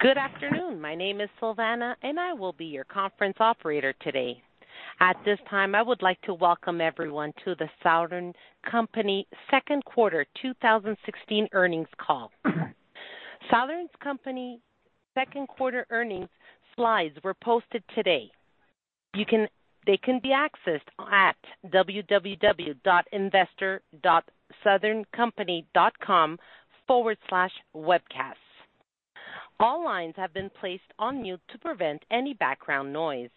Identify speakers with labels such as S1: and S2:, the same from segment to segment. S1: Good afternoon. My name is Silvana. I will be your conference operator today. At this time, I would like to welcome everyone to The Southern Company Second Quarter 2016 Earnings Call. Southern Company's Second Quarter Earnings slides were posted today. They can be accessed at www.investor.southerncompany.com/webcasts. All lines have been placed on mute to prevent any background noise.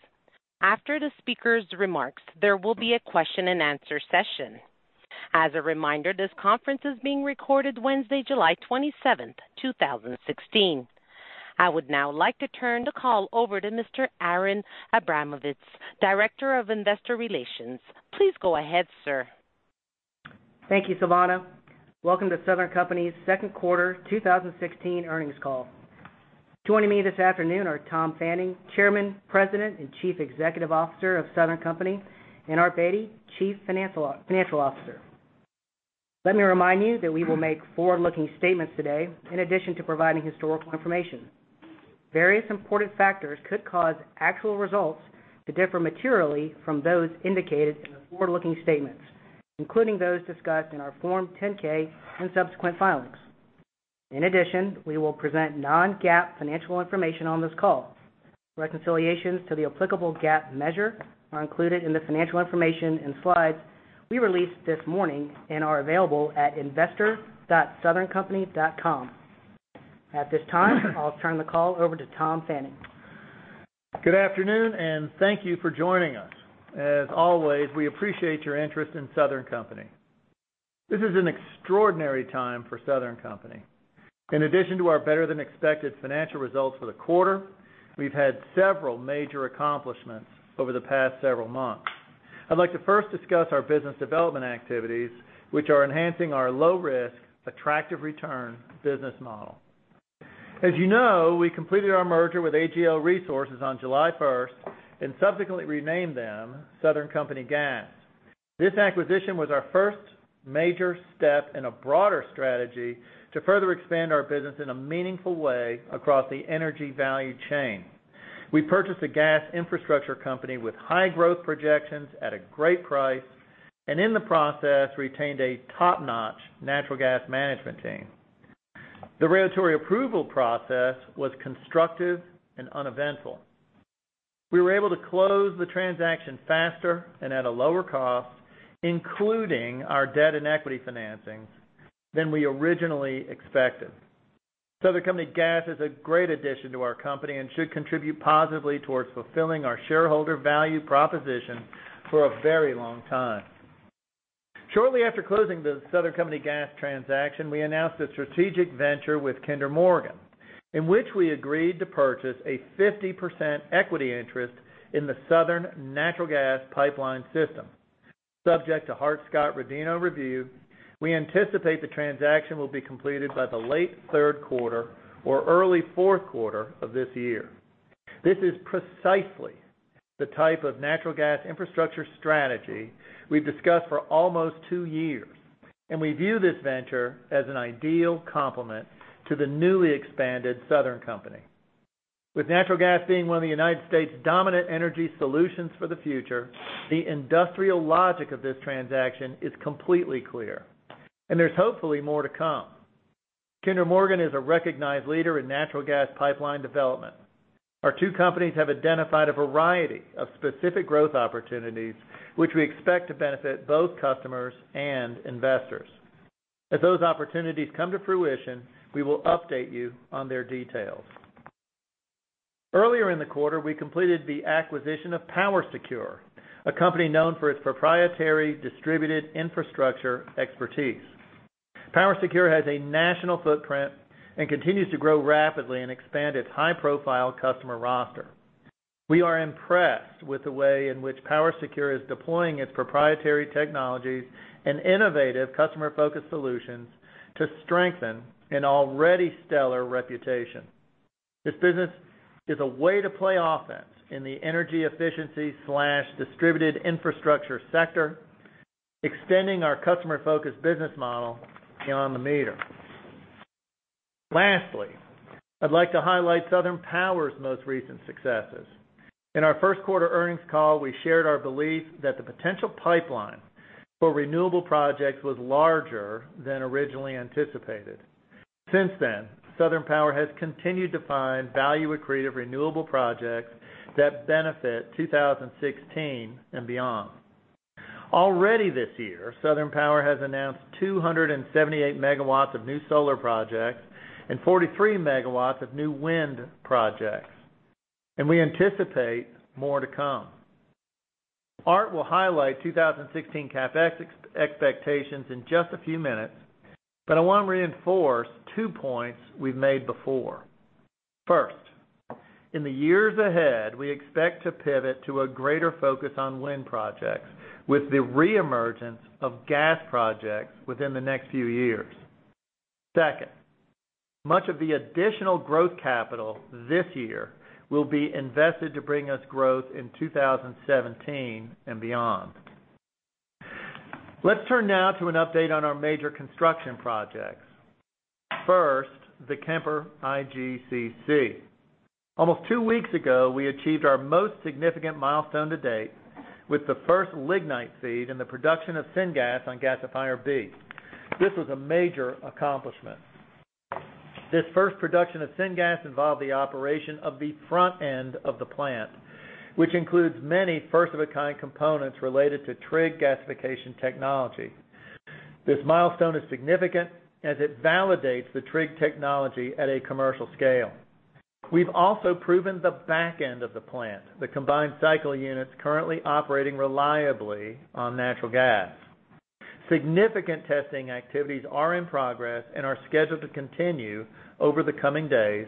S1: After the speaker's remarks, there will be a question and answer session. As a reminder, this conference is being recorded Wednesday, July 27, 2016. I would now like to turn the call over to Mr. Aaron Abramovitz, Director of Investor Relations. Please go ahead, sir.
S2: Thank you, Silvana. Welcome to Southern Company's Second Quarter 2016 Earnings Call. Joining me this afternoon are Tom Fanning, Chairman, President, and Chief Executive Officer of Southern Company, and Art Beattie, Chief Financial Officer. Let me remind you that we will make forward-looking statements today, in addition to providing historical information. Various important factors could cause actual results to differ materially from those indicated in the forward-looking statements, including those discussed in our Form 10-K and subsequent filings. In addition, we will present non-GAAP financial information on this call. Reconciliations to the applicable GAAP measure are included in the financial information and slides we released this morning and are available at investor.southerncompany.com. At this time, I'll turn the call over to Tom Fanning.
S3: Good afternoon. Thank you for joining us. As always, we appreciate your interest in Southern Company. This is an extraordinary time for Southern Company. In addition to our better-than-expected financial results for the quarter, we've had several major accomplishments over the past several months. I'd like to first discuss our business development activities, which are enhancing our low-risk, attractive return business model. As you know, we completed our merger with AGL Resources on July 1st and subsequently renamed them Southern Company Gas. This acquisition was our first major step in a broader strategy to further expand our business in a meaningful way across the energy value chain. We purchased a gas infrastructure company with high growth projections at a great price, and in the process, retained a top-notch natural gas management team. The regulatory approval process was constructive and uneventful. We were able to close the transaction faster and at a lower cost, including our debt and equity financings, than we originally expected. Southern Company Gas is a great addition to our company and should contribute positively towards fulfilling our shareholder value proposition for a very long time. Shortly after closing the Southern Company Gas transaction, we announced a strategic venture with Kinder Morgan, in which we agreed to purchase a 50% equity interest in the Southern Natural Gas Pipeline System. Subject to Hart-Scott-Rodino review, we anticipate the transaction will be completed by the late third quarter or early fourth quarter of this year. This is precisely the type of natural gas infrastructure strategy we've discussed for almost two years, and we view this venture as an ideal complement to the newly expanded Southern Company. With natural gas being one of the United States' dominant energy solutions for the future, the industrial logic of this transaction is completely clear, and there's hopefully more to come. Kinder Morgan is a recognized leader in natural gas pipeline development. Our two companies have identified a variety of specific growth opportunities, which we expect to benefit both customers and investors. As those opportunities come to fruition, we will update you on their details. Earlier in the quarter, we completed the acquisition of PowerSecure, a company known for its proprietary distributed infrastructure expertise. PowerSecure has a national footprint and continues to grow rapidly and expand its high-profile customer roster. We are impressed with the way in which PowerSecure is deploying its proprietary technologies and innovative customer-focused solutions to strengthen an already stellar reputation. This business is a way to play offense in the energy efficiency/distributed infrastructure sector, extending our customer-focused business model beyond the meter. Lastly, I'd like to highlight Southern Power's most recent successes. In our first quarter earnings call, we shared our belief that the potential pipeline for renewable projects was larger than originally anticipated. Since then, Southern Power has continued to find value-accretive renewable projects that benefit 2016 and beyond. Already this year, Southern Power has announced 278 MW of new solar projects and 43 MW of new wind projects. We anticipate more to come. Art will highlight 2016 CapEx expectations in just a few minutes. I want to reinforce two points we've made before. First, in the years ahead, we expect to pivot to a greater focus on wind projects with the re-emergence of gas projects within the next few years. Second, much of the additional growth capital this year will be invested to bring us growth in 2017 and beyond. Let's turn now to an update on our major construction projects. First, the Kemper IGCC. Almost two weeks ago, we achieved our most significant milestone to date with the first lignite feed and the production of syngas on gasifier B. This was a major accomplishment. This first production of syngas involved the operation of the front end of the plant, which includes many first-of-a-kind components related to TRIG gasification technology. This milestone is significant as it validates the TRIG technology at a commercial scale. We've also proven the back end of the plant, the combined cycle units currently operating reliably on natural gas. Significant testing activities are in progress and are scheduled to continue over the coming days,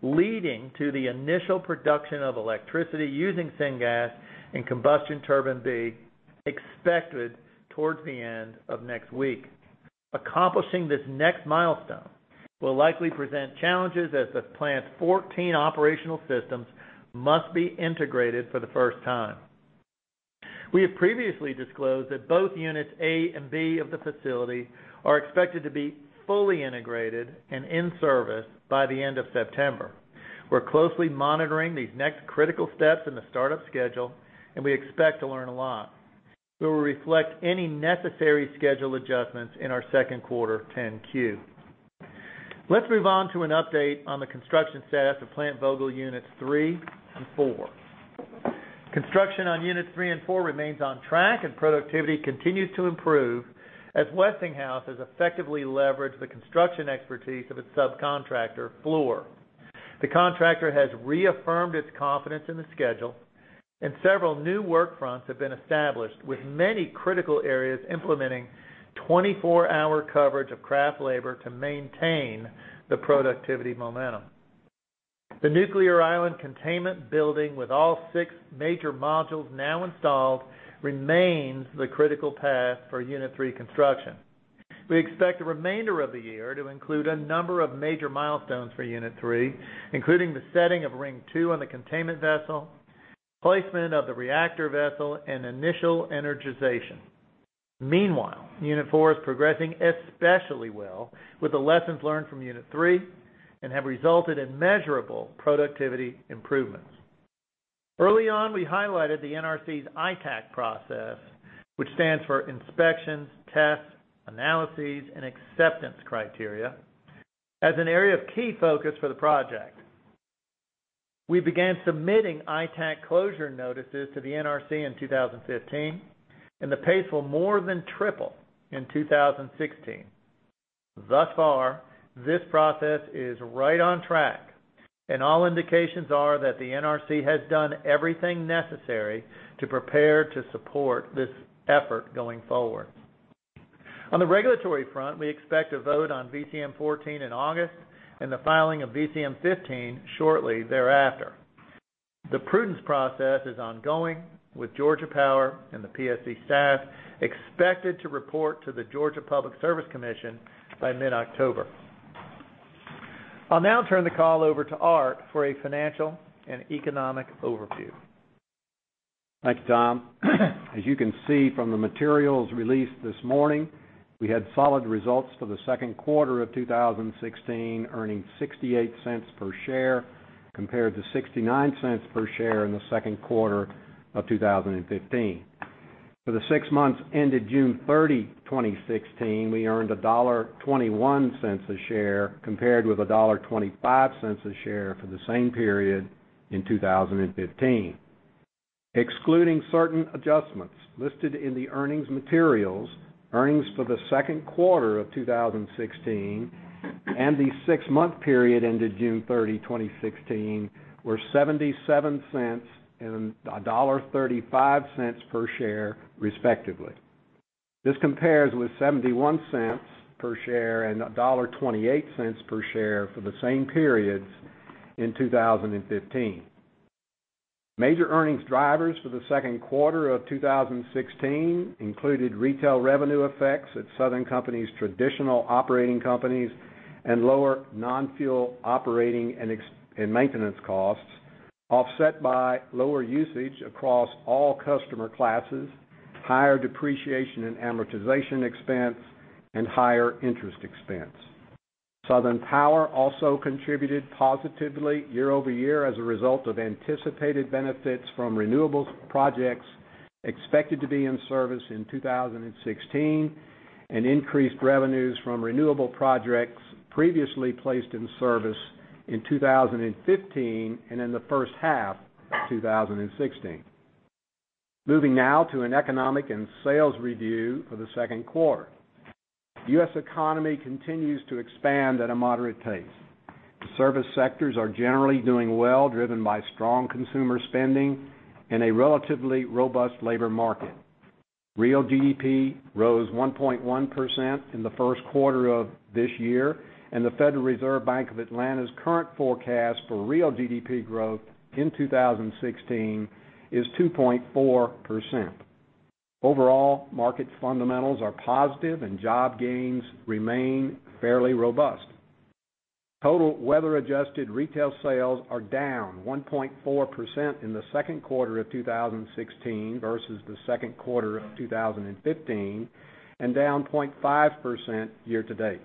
S3: leading to the initial production of electricity using syngas and combustion turbine B, expected towards the end of next week. Accomplishing this next milestone will likely present challenges as the plant's 14 operational systems must be integrated for the first time. We have previously disclosed that both units A and B of the facility are expected to be fully integrated and in service by the end of September. We're closely monitoring these next critical steps in the startup schedule. We expect to learn a lot. We will reflect any necessary schedule adjustments in our second quarter 10-Q. Let's move on to an update on the construction status of Plant Vogtle units three and four. Construction on units 3 and 4 remains on track, and productivity continues to improve as Westinghouse has effectively leveraged the construction expertise of its subcontractor, Fluor. The contractor has reaffirmed its confidence in the schedule, and several new work fronts have been established, with many critical areas implementing 24-hour coverage of craft labor to maintain the productivity momentum. The nuclear island containment building with all six major modules now installed remains the critical path for unit 3 construction. We expect the remainder of the year to include a number of major milestones for unit 3, including the setting of ring 2 on the containment vessel, placement of the reactor vessel, and initial energization. Meanwhile, unit 4 is progressing especially well with the lessons learned from unit 3 and have resulted in measurable productivity improvements. Early on, we highlighted the NRC's ITAC process, which stands for Inspections, Tests, Analyses, and Acceptance Criteria, as an area of key focus for the project. We began submitting ITAC closure notices to the NRC in 2015, and the pace will more than triple in 2016. Thus far, this process is right on track, and all indications are that the NRC has done everything necessary to prepare to support this effort going forward. On the regulatory front, we expect a vote on VCM-14 in August and the filing of VCM-15 shortly thereafter. The prudence process is ongoing with Georgia Power and the PSC staff expected to report to the Georgia Public Service Commission by mid-October. I'll now turn the call over to Art for a financial and economic overview.
S4: Thank you, Tom. As you can see from the materials released this morning, we had solid results for the second quarter of 2016, earning $0.68 per share compared to $0.69 per share in the second quarter of 2015. For the six months ended June 30, 2016, we earned $1.21 a share compared with $1.25 a share for the same period in 2015. Excluding certain adjustments listed in the earnings materials, earnings for the second quarter of 2016 and the six-month period ended June 30, 2016, were $0.77 and $1.35 per share, respectively. This compares with $0.71 per share and $1.28 per share for the same periods in 2015. Major earnings drivers for the second quarter of 2016 included retail revenue effects at Southern Company's traditional operating companies and lower non-fuel operating and maintenance costs, offset by lower usage across all customer classes, higher depreciation and amortization expense, and higher interest expense. Southern Power also contributed positively year-over-year as a result of anticipated benefits from renewables projects expected to be in service in 2016 and increased revenues from renewable projects previously placed in service in 2015 and in the first half of 2016. Moving now to an economic and sales review for the second quarter. The U.S. economy continues to expand at a moderate pace. The service sectors are generally doing well, driven by strong consumer spending and a relatively robust labor market. Real GDP rose 1.1% in the first quarter of this year, and the Federal Reserve Bank of Atlanta's current forecast for real GDP growth in 2016 is 2.4%. Overall, market fundamentals are positive, and job gains remain fairly robust. Total weather-adjusted retail sales are down 1.4% in the second quarter of 2016 versus the second quarter of 2015, and down 0.5% year-to-date.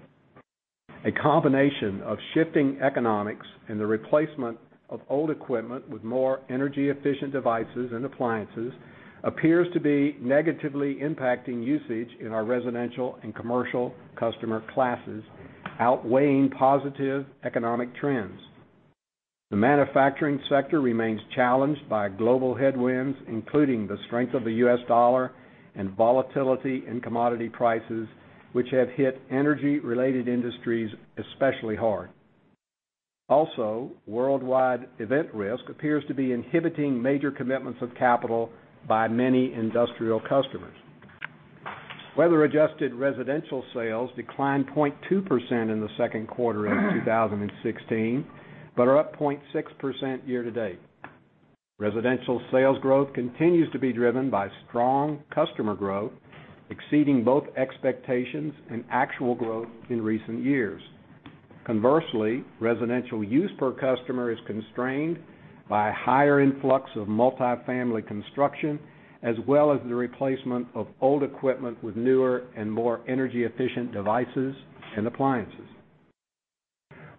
S4: A combination of shifting economics and the replacement of old equipment with more energy-efficient devices and appliances appears to be negatively impacting usage in our residential and commercial customer classes, outweighing positive economic trends. The manufacturing sector remains challenged by global headwinds, including the strength of the U.S. dollar and volatility in commodity prices, which have hit energy-related industries especially hard. Worldwide event risk appears to be inhibiting major commitments of capital by many industrial customers. Weather-adjusted residential sales declined 0.2% in the second quarter of 2016, but are up 0.6% year-to-date. Residential sales growth continues to be driven by strong customer growth, exceeding both expectations and actual growth in recent years. Conversely, residential use per customer is constrained by a higher influx of multi-family construction as well as the replacement of old equipment with newer and more energy-efficient devices and appliances.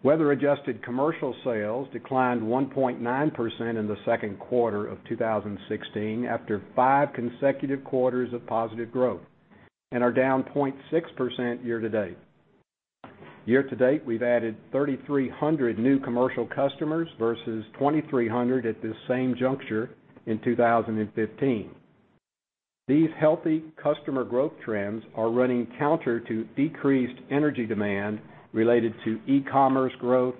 S4: Weather-adjusted commercial sales declined 1.9% in the second quarter of 2016 after five consecutive quarters of positive growth and are down 0.6% year-to-date. Year-to-date, we've added 3,300 new commercial customers versus 2,300 at this same juncture in 2015. These healthy customer growth trends are running counter to decreased energy demand related to e-commerce growth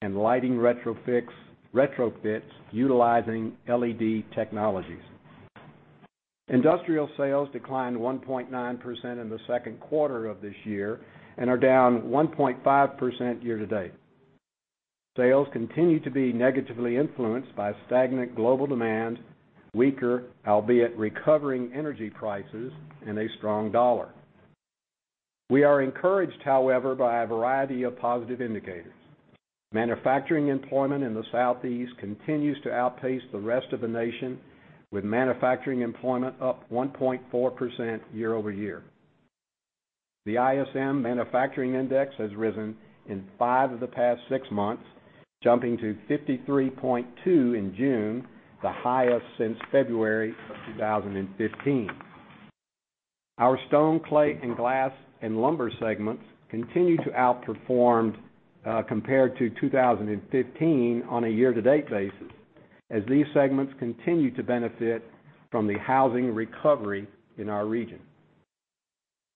S4: and lighting retrofits utilizing LED technologies. Industrial sales declined 1.9% in the second quarter of this year and are down 1.5% year-to-date. Sales continue to be negatively influenced by stagnant global demand, weaker, albeit recovering energy prices, and a strong dollar. We are encouraged, however, by a variety of positive indicators. Manufacturing employment in the Southeast continues to outpace the rest of the nation with manufacturing employment up 1.4% year-over-year. The ISM Manufacturing Index has risen in five of the past six months, jumping to 53.2 in June, the highest since February of 2015. Our stone, clay, and glass and lumber segments continue to outperform compared to 2015 on a year-to-date basis as these segments continue to benefit from the housing recovery in our region.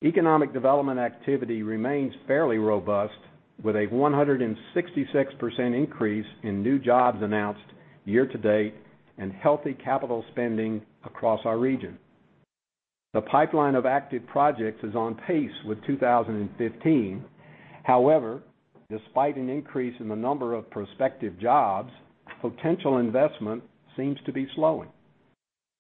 S4: Economic development activity remains fairly robust with a 166% increase in new jobs announced year-to-date and healthy capital spending across our region. The pipeline of active projects is on pace with 2015. Despite an increase in the number of prospective jobs, potential investment seems to be slowing.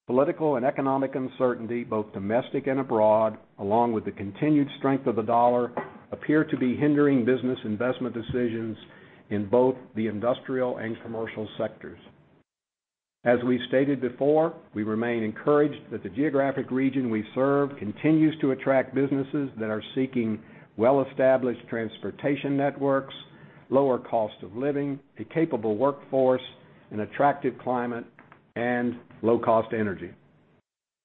S4: Political and economic uncertainty, both domestic and abroad, along with the continued strength of the dollar, appear to be hindering business investment decisions in both the industrial and commercial sectors. As we've stated before, we remain encouraged that the geographic region we serve continues to attract businesses that are seeking well-established transportation networks, lower cost of living, a capable workforce, an attractive climate, and low-cost energy.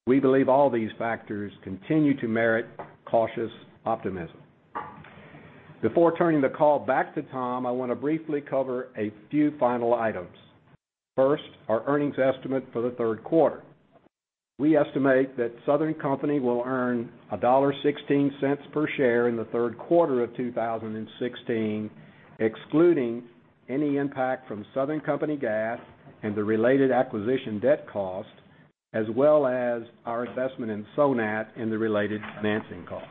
S4: We believe all these factors continue to merit cautious optimism. Before turning the call back to Tom, I want to briefly cover a few final items. First, our earnings estimate for the third quarter. We estimate that Southern Company will earn $1.16 per share in the third quarter of 2016, excluding any impact from Southern Company Gas and the related acquisition debt cost, as well as our investment in Sonat and the related financing cost.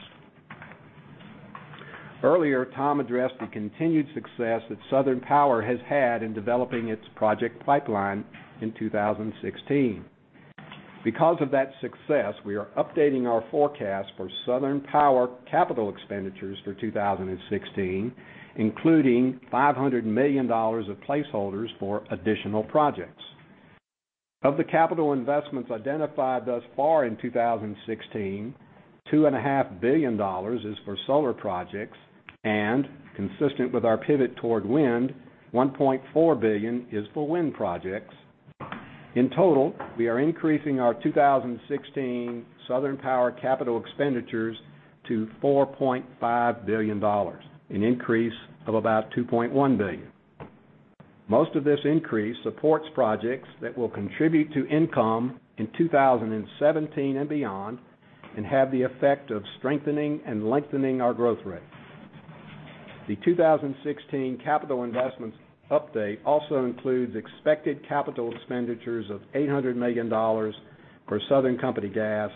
S4: Earlier, Tom addressed the continued success that Southern Power has had in developing its project pipeline in 2016. Of that success, we are updating our forecast for Southern Power capital expenditures for 2016, including $500 million of placeholders for additional projects. Of the capital investments identified thus far in 2016, $2.5 billion is for solar projects and, consistent with our pivot toward wind, $1.4 billion is for wind projects. In total, we are increasing our 2016 Southern Power capital expenditures to $4.5 billion, an increase of about $2.1 billion. Most of this increase supports projects that will contribute to income in 2017 and beyond and have the effect of strengthening and lengthening our growth rate. The 2016 capital investments update also includes expected capital expenditures of $800 million for Southern Company Gas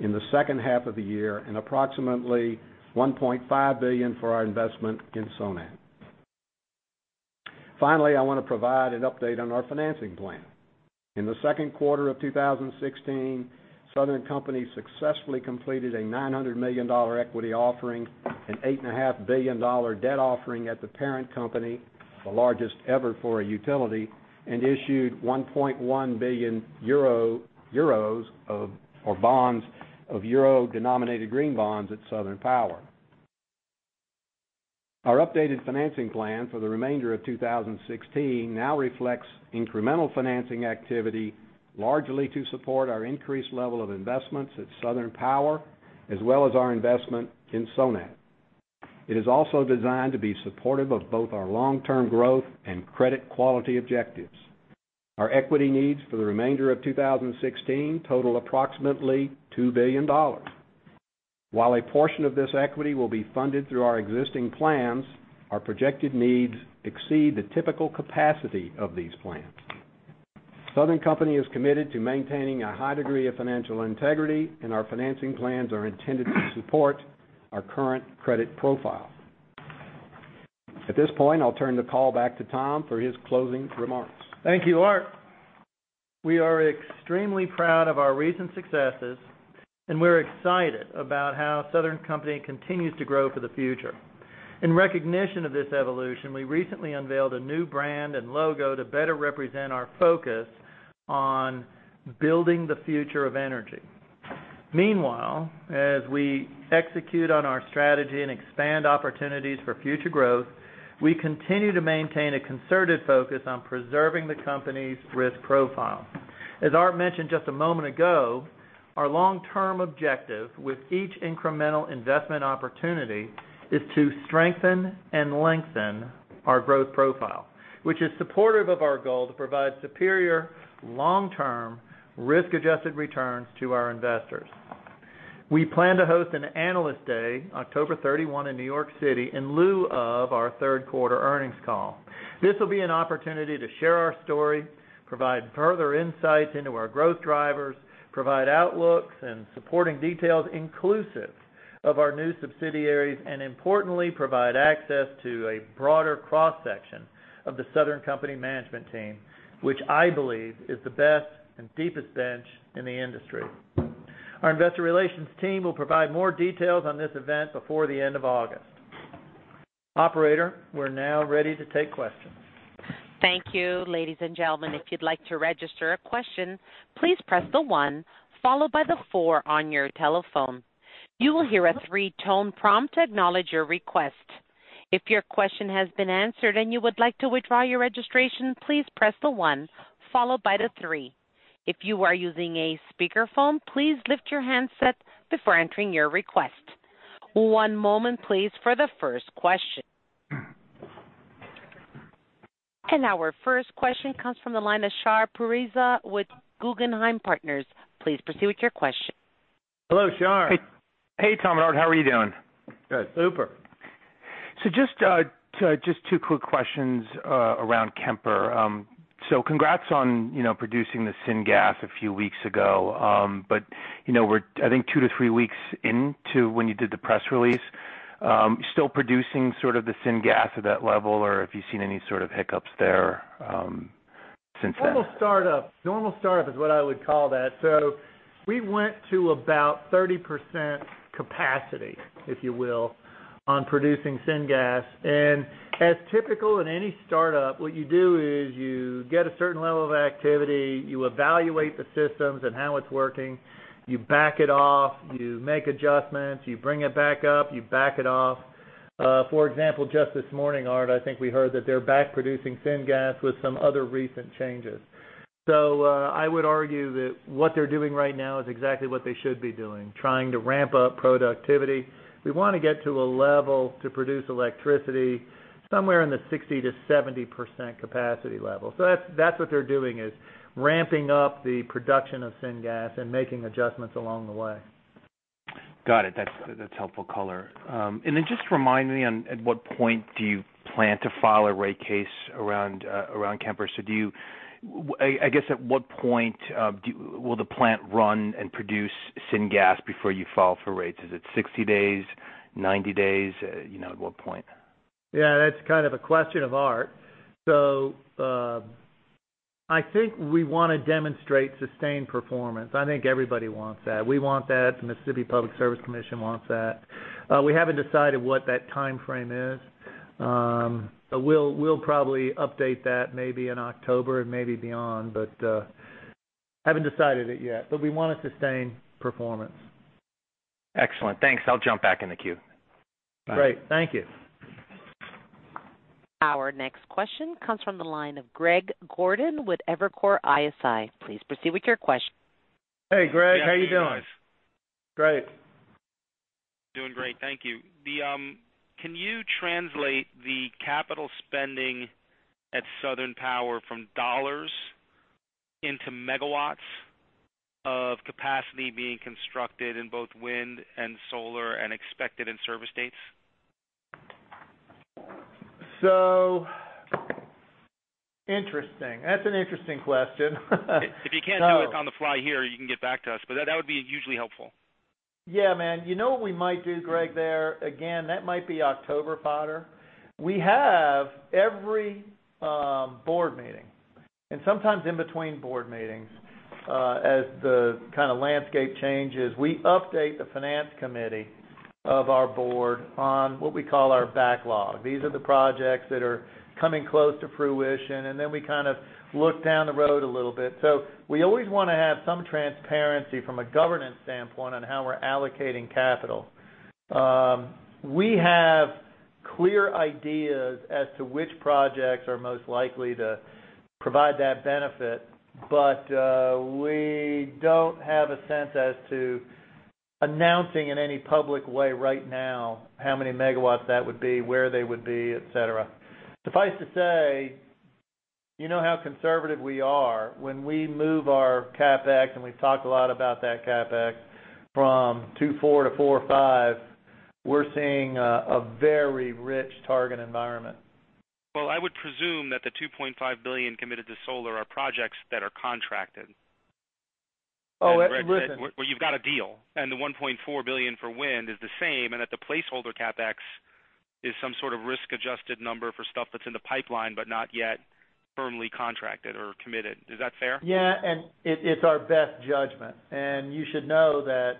S4: in the second half of the year and approximately $1.5 billion for our investment in Sonat. I want to provide an update on our financing plan. In the second quarter of 2016, Southern Company successfully completed a $900 million equity offering, an $8.5 billion debt offering at the parent company, the largest ever for a utility, and issued €1.1 billion of euro-denominated green bonds at Southern Power. Our updated financing plan for the remainder of 2016 now reflects incremental financing activity, largely to support our increased level of investments at Southern Power, as well as our investment in Sonat. It is also designed to be supportive of both our long-term growth and credit quality objectives. Our equity needs for the remainder of 2016 total approximately $2 billion. While a portion of this equity will be funded through our existing plans, our projected needs exceed the typical capacity of these plans. Southern Company is committed to maintaining a high degree of financial integrity, and our financing plans are intended to support our current credit profile. At this point, I'll turn the call back to Tom for his closing remarks.
S3: Thank you, Art. We are extremely proud of our recent successes, and we're excited about how Southern Company continues to grow for the future. In recognition of this evolution, we recently unveiled a new brand and logo to better represent our focus on building the future of energy. Meanwhile, as we execute on our strategy and expand opportunities for future growth, we continue to maintain a concerted focus on preserving the company's risk profile. As Art mentioned just a moment ago, our long-term objective with each incremental investment opportunity is to strengthen and lengthen our growth profile, which is supportive of our goal to provide superior long-term risk-adjusted returns to our investors. We plan to host an Analyst Day, October 31 in New York City, in lieu of our third-quarter earnings call. This will be an opportunity to share our story, provide further insights into our growth drivers, provide outlooks and supporting details inclusive of our new subsidiaries, and importantly, provide access to a broader cross-section of the Southern Company management team, which I believe is the best and deepest bench in the industry. Our investor relations team will provide more details on this event before the end of August. Operator, we're now ready to take questions.
S1: Thank you. Ladies and gentlemen, if you'd like to register a question, please press the one followed by the four on your telephone. You will hear a three-tone prompt to acknowledge your request. If your question has been answered and you would like to withdraw your registration, please press the one followed by the three. If you are using a speakerphone, please lift your handset before entering your request. One moment please for the first question. Our first question comes from the line of Shar Pourreza with Guggenheim Partners. Please proceed with your question.
S3: Hello, Shar.
S5: Hey, Tom and Art. How are you doing?
S3: Good.
S4: Super.
S5: Just two quick questions around Kemper. Congrats on producing the syngas a few weeks ago. We're, I think, two to three weeks into when you did the press release. Still producing the syngas at that level, or if you've seen any sort of hiccups there since then?
S3: Normal startup is what I would call that. We went to about 30% capacity, if you will, on producing syngas. As typical in any startup, what you do is you get a certain level of activity, you evaluate the systems and how it's working, you back it off, you make adjustments, you bring it back up, you back it off. For example, just this morning, Art, I think we heard that they're back producing syngas with some other recent changes. I would argue that what they're doing right now is exactly what they should be doing, trying to ramp up productivity. We want to get to a level to produce electricity somewhere in the 60%-70% capacity level. That's what they're doing, is ramping up the production of syngas and making adjustments along the way.
S5: Got it. That's helpful color. Just remind me, at what point do you plan to file a rate case around Kemper? I guess at what point will the plant run and produce syngas before you file for rates? Is it 60 days, 90 days? At what point?
S3: Yeah, that's kind of a question of Art. I think we want to demonstrate sustained performance. I think everybody wants that. We want that. The Mississippi Public Service Commission wants that. We haven't decided what that timeframe is. We'll probably update that maybe in October and maybe beyond, haven't decided it yet. We want a sustained performance.
S5: Excellent. Thanks. I'll jump back in the queue. Bye.
S3: Great. Thank you.
S1: Our next question comes from the line of Greg Gordon with Evercore ISI. Please proceed with your question.
S3: Hey, Greg. How you doing? Great.
S6: Doing great. Thank you. Can you translate the capital spending at Southern Power from dollars into megawatts of capacity being constructed in both wind and solar and expected in-service dates?
S3: Interesting. That's an interesting question.
S6: If you can't do it on the fly here, you can get back to us. That would be hugely helpful.
S3: Yeah, man. You know what we might do, Greg, there? Again, that might be October fodder. We have every board meeting, and sometimes in between board meetings, as the kind of landscape changes, we update the finance committee of our board on what we call our backlog. These are the projects that are coming close to fruition, and then we kind of look down the road a little bit. We always want to have some transparency from a governance standpoint on how we're allocating capital. We have clear ideas as to which projects are most likely to provide that benefit. We don't have a sense as to announcing in any public way right now how many megawatts that would be, where they would be, et cetera. Suffice to say, you know how conservative we are. When we move our CapEx, and we've talked a lot about that CapEx, from $2.4 to $4.5 we're seeing a very rich target environment.
S6: Well, I would presume that the $2.5 billion committed to solar are projects that are contracted.
S3: Oh, listen.
S6: Where you've got a deal, and the $1.4 billion for wind is the same, and that the placeholder CapEx is some sort of risk-adjusted number for stuff that's in the pipeline but not yet firmly contracted or committed. Is that fair?
S3: Yeah, it's our best judgment. You should know that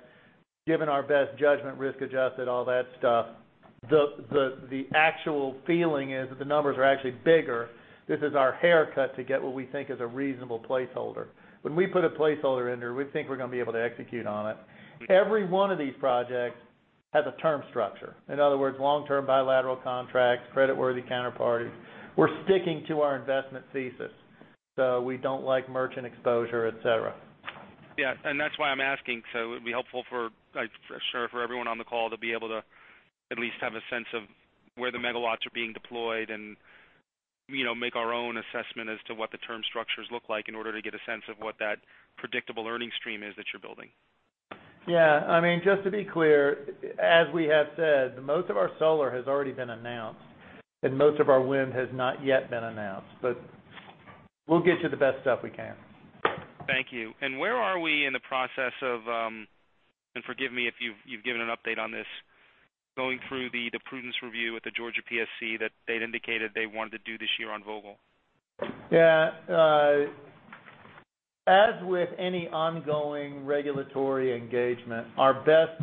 S3: given our best judgment, risk-adjusted, all that stuff, the actual feeling is that the numbers are actually bigger. This is our haircut to get what we think is a reasonable placeholder. When we put a placeholder in there, we think we're going to be able to execute on it. Every one of these projects has a term structure. In other words, long-term bilateral contracts, creditworthy counterparties. We're sticking to our investment thesis. We don't like merchant exposure, et cetera.
S6: Yeah, that's why I'm asking. It would be helpful for, I'm sure, for everyone on the call to be able to at least have a sense of where the megawatts are being deployed and make our own assessment as to what the term structures look like in order to get a sense of what that predictable earnings stream is that you're building.
S3: Yeah. Just to be clear, as we have said, most of our solar has already been announced and most of our wind has not yet been announced. We'll get you the best stuff we can.
S6: Thank you. Where are we in the process of, and forgive me if you've given an update on this, going through the prudence review with the Georgia PSC that they'd indicated they wanted to do this year on Vogtle?
S3: Yeah. As with any ongoing regulatory engagement, our best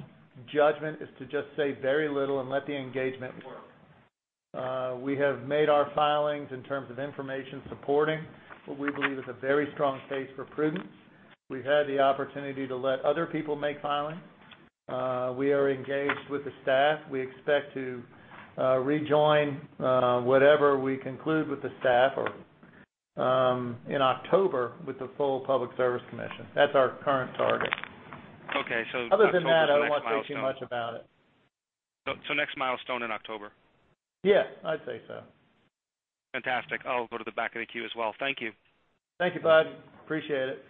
S3: judgment is to just say very little and let the engagement work. We have made our filings in terms of information supporting what we believe is a very strong case for prudence. We've had the opportunity to let other people make filings. We are engaged with the staff. We expect to rejoin whatever we conclude with the staff in October with the full Public Service Commission. That's our current target.
S6: Okay. October's the next milestone.
S3: Other than that, I don't want to say too much about it.
S6: Next milestone in October.
S3: Yeah, I'd say so.
S6: Fantastic. I'll go to the back of the queue as well. Thank you.
S3: Thank you, bud. Appreciate it.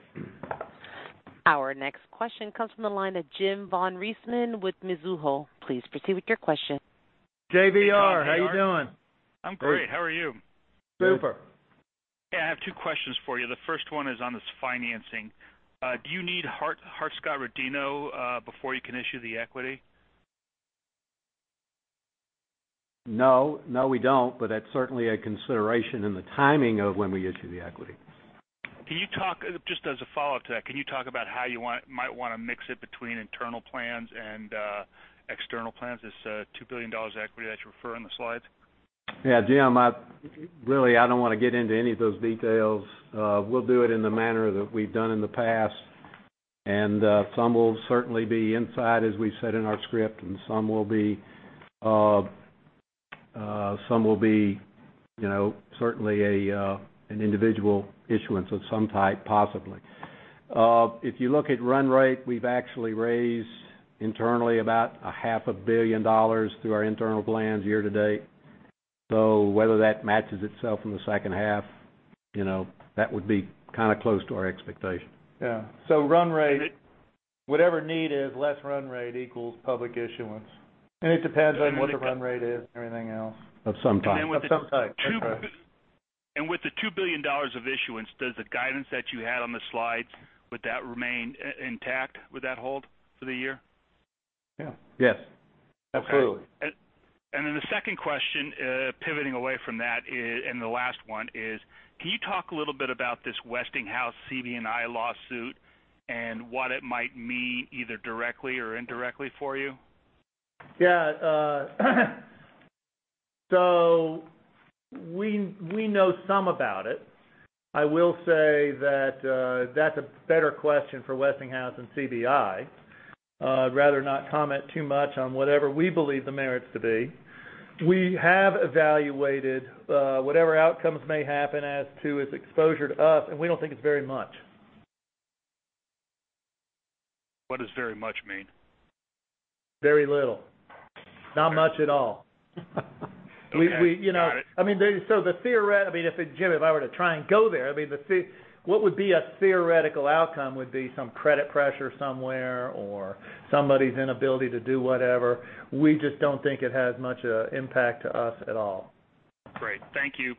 S1: Our next question comes from the line of Jim von Riesemann with Mizuho. Please proceed with your question.
S3: JVR, how you doing?
S7: Hey, Tom. I'm great. How are you?
S3: Super.
S7: Yeah, I have two questions for you. The first one is on this financing. Do you need Hart-Scott-Rodino before you can issue the equity?
S4: No. No, we don't, but that's certainly a consideration in the timing of when we issue the equity.
S7: Just as a follow-up to that, can you talk about how you might want to mix it between internal plans and external plans, this $2 billion equity that you refer on the slides?
S4: Yeah. Jim, really, I don't want to get into any of those details. We'll do it in the manner that we've done in the past. Some will certainly be inside, as we said in our script. Some will be certainly an individual issuance of some type, possibly. If you look at run rate, we've actually raised internally about a half a billion dollars through our internal plans year to date. Whether that matches itself in the second half, that would be kind of close to our expectation.
S3: Yeah. Run rate, whatever need is, less run rate equals public issuance. It depends on what the run rate is and everything else.
S4: Of some type.
S3: Of some type. That's right.
S7: With the $2 billion of issuance, does the guidance that you had on the slides, would that remain intact? Would that hold for the year?
S3: Yeah.
S4: Yes. Absolutely.
S7: Okay. The second question, pivoting away from that, and the last one is, can you talk a little bit about this Westinghouse CB&I lawsuit and what it might mean either directly or indirectly for you?
S3: Yeah. We know some about it. I will say that that's a better question for Westinghouse than CBI. I'd rather not comment too much on whatever we believe the merits to be. We have evaluated whatever outcomes may happen as to its exposure to us, and we don't think it's very much.
S7: What does very much mean?
S3: Very little. Not much at all.
S7: Okay. Got it.
S3: The theoretical, Jim, if I were to try and go there, what would be a theoretical outcome would be some credit pressure somewhere or somebody's inability to do whatever. We just don't think it has much impact to us at all.
S7: Great. Thank you.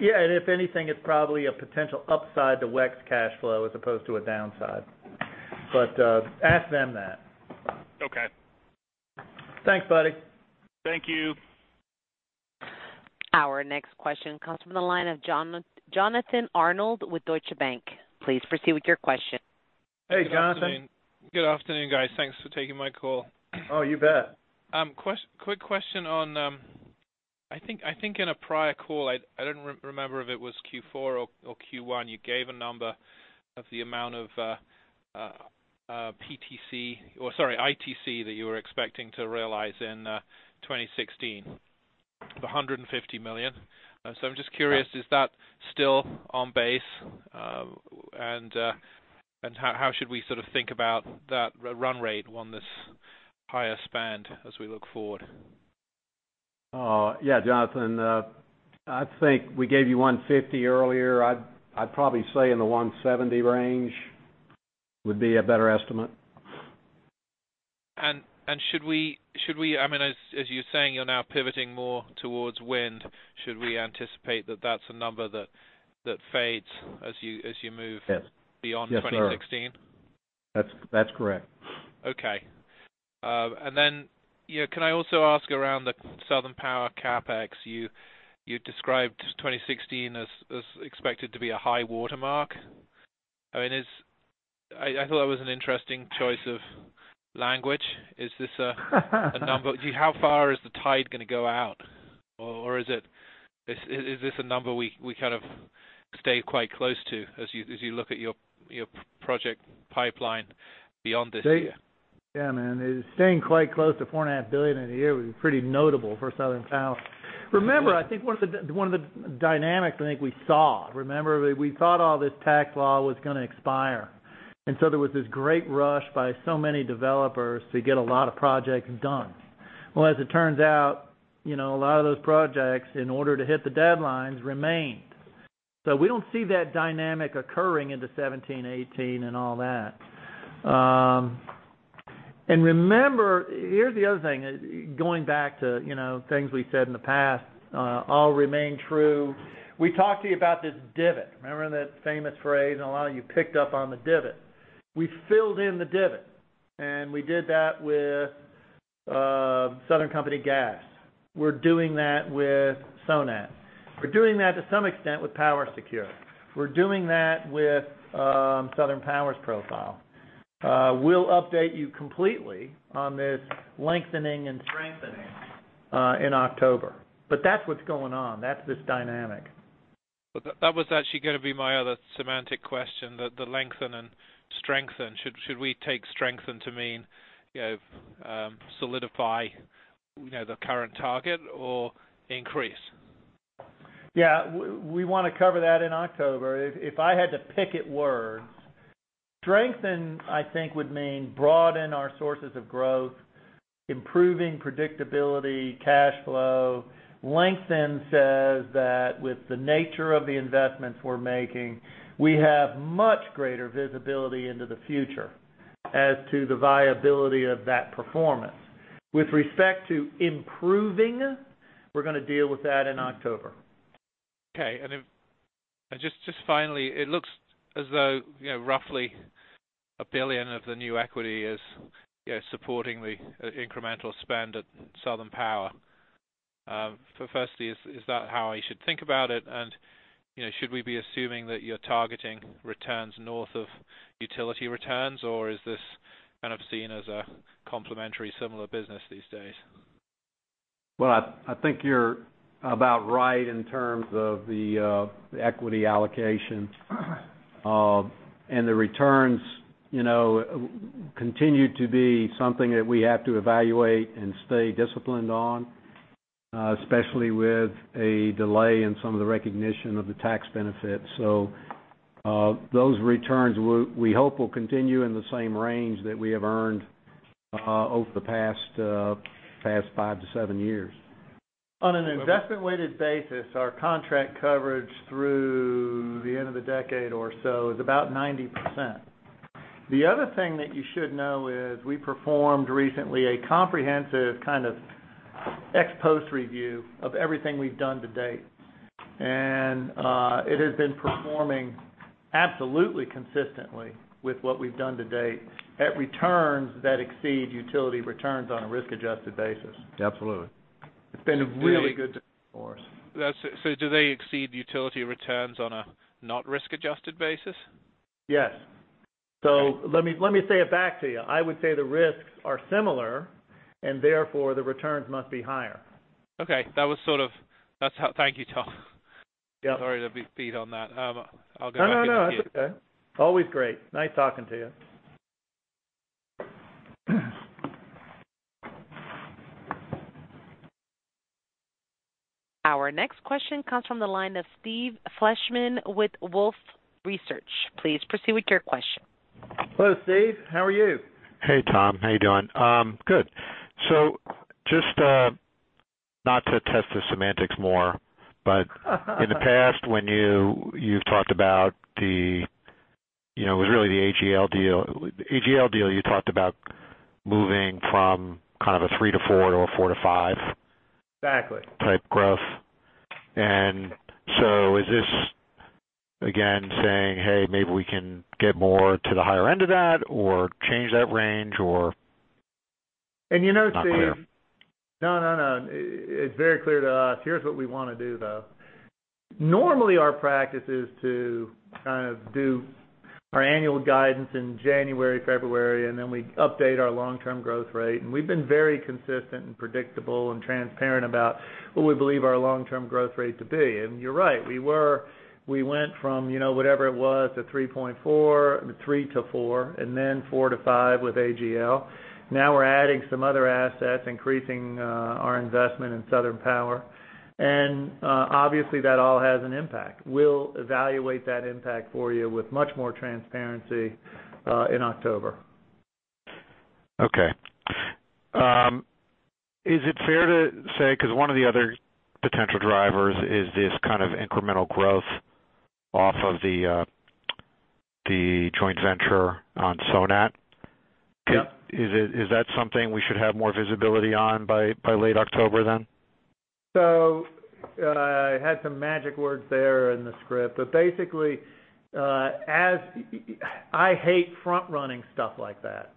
S3: Yeah, if anything, it's probably a potential upside to WEC's cash flow as opposed to a downside. Ask them that.
S7: Okay.
S3: Thanks, buddy.
S7: Thank you.
S1: Our next question comes from the line of Jonathan Arnold with Deutsche Bank. Please proceed with your question.
S3: Hey, Jonathan.
S8: Good afternoon, guys. Thanks for taking my call.
S3: Oh, you bet.
S8: Quick question on, I think in a prior call, I don't remember if it was Q4 or Q1, you gave a number of the amount of PTC, or sorry, ITC that you were expecting to realize in 2016 of $150 million. I'm just curious, is that still on base? How should we think about that run rate on this higher spend as we look forward?
S3: Jonathan, I think we gave you $150 earlier. I'd probably say in the $170 range would be a better estimate. Should we, as you're saying you're now pivoting more towards wind, should we anticipate that that's a number that fades
S8: Yes,
S3: beyond 2016?
S8: Yes, sir. That's correct.
S3: Okay.
S8: Can I also ask around the Southern Power CapEx? You described 2016 as expected to be a high watermark. I thought that was an interesting choice of language. How far is the tide going to go out? Is this a number we kind of stay quite close to as you look at your project pipeline beyond this year?
S3: Yeah, man, staying quite close to $4.5 billion in a year would be pretty notable for Southern Power. Remember, I think one of the dynamics I think we saw, remember, we thought all this tax law was going to expire, there was this great rush by so many developers to get a lot of projects done. Well, as it turns out, a lot of those projects, in order to hit the deadlines, remained. We don't see that dynamic occurring into 2017, 2018, and all that. Remember, here's the other thing, going back to things we've said in the past all remain true. We talked to you about this divot. Remember that famous phrase, a lot of you picked up on the divot. We filled in the divot, we did that with Southern Company Gas. We're doing that with Sonat. We're doing that to some extent with PowerSecure. We're doing that with Southern Power's profile. We'll update you completely on this lengthening and strengthening in October. That's what's going on. That's this dynamic.
S8: That was actually going to be my other semantic question, the lengthen and strengthen. Should we take strengthen to mean solidify the current target or increase?
S3: Yeah. We want to cover that in October. If I had to pick at words, strengthen, I think would mean broaden our sources of growth, improving predictability, cash flow. Lengthen says that with the nature of the investments we're making, we have much greater visibility into the future as to the viability of that performance. With respect to improving, we're going to deal with that in October. Okay. Just finally, it looks as though roughly $1 billion of the new equity is supporting the incremental spend at Southern Power. Firstly, is that how I should think about it? Should we be assuming that you're targeting returns north of utility returns, or is this kind of seen as a complementary similar business these days? Well, I think you're about right in terms of the equity allocation. The returns continue to be something that we have to evaluate and stay disciplined on, especially with a delay in some of the recognition of the tax benefit. Those returns, we hope, will continue in the same range that we have earned over the past 5-7 years. On an investment-weighted basis, our contract coverage through the end of the decade or so is about 90%. The other thing that you should know is we performed recently a comprehensive kind of ex-post review of everything we've done to date, it has been performing absolutely consistently with what we've done to date at returns that exceed utility returns on a risk-adjusted basis. Absolutely. It's been really good for us. Do they exceed utility returns on a not risk-adjusted basis? Yes. Okay. Let me say it back to you. I would say the risks are similar and therefore the returns must be higher. Okay. Thank you, Tom. Yep. Sorry to beat on that. I'll get back in the queue. No, that's okay. Always great. Nice talking to you.
S1: Our next question comes from the line of Steve Fleishman with Wolfe Research. Please proceed with your question.
S3: Hello, Steve, how are you?
S9: Hey, Tom. How you doing?
S3: Good.
S9: Just, not to test the semantics more, but in the past when you've talked about It was really the AGL deal. AGL deal you talked about moving from kind of a three to four to a four to five.
S3: Exactly
S9: type growth. Is this again saying, "Hey, maybe we can get more to the higher end of that, or change that range?
S3: You know, Steve.
S9: Not clear.
S3: No, no. It's very clear to us. Here's what we want to do, though. Normally, our practice is to kind of do our annual guidance in January, February, then we update our long-term growth rate. We've been very consistent and predictable and transparent about what we believe our long-term growth rate to be. You're right, we went from, whatever it was, a 3.4%, 3%-4%, then 4%-5% with AGL. Now we're adding some other assets, increasing our investment in Southern Power. Obviously, that all has an impact. We'll evaluate that impact for you with much more transparency in October.
S9: Okay. Is it fair to say, because one of the other potential drivers is this kind of incremental growth off of the joint venture on Sonat?
S3: Yep.
S9: Is that something we should have more visibility on by late October, then?
S3: I had some magic words there in the script, but basically, I hate front-running stuff like that.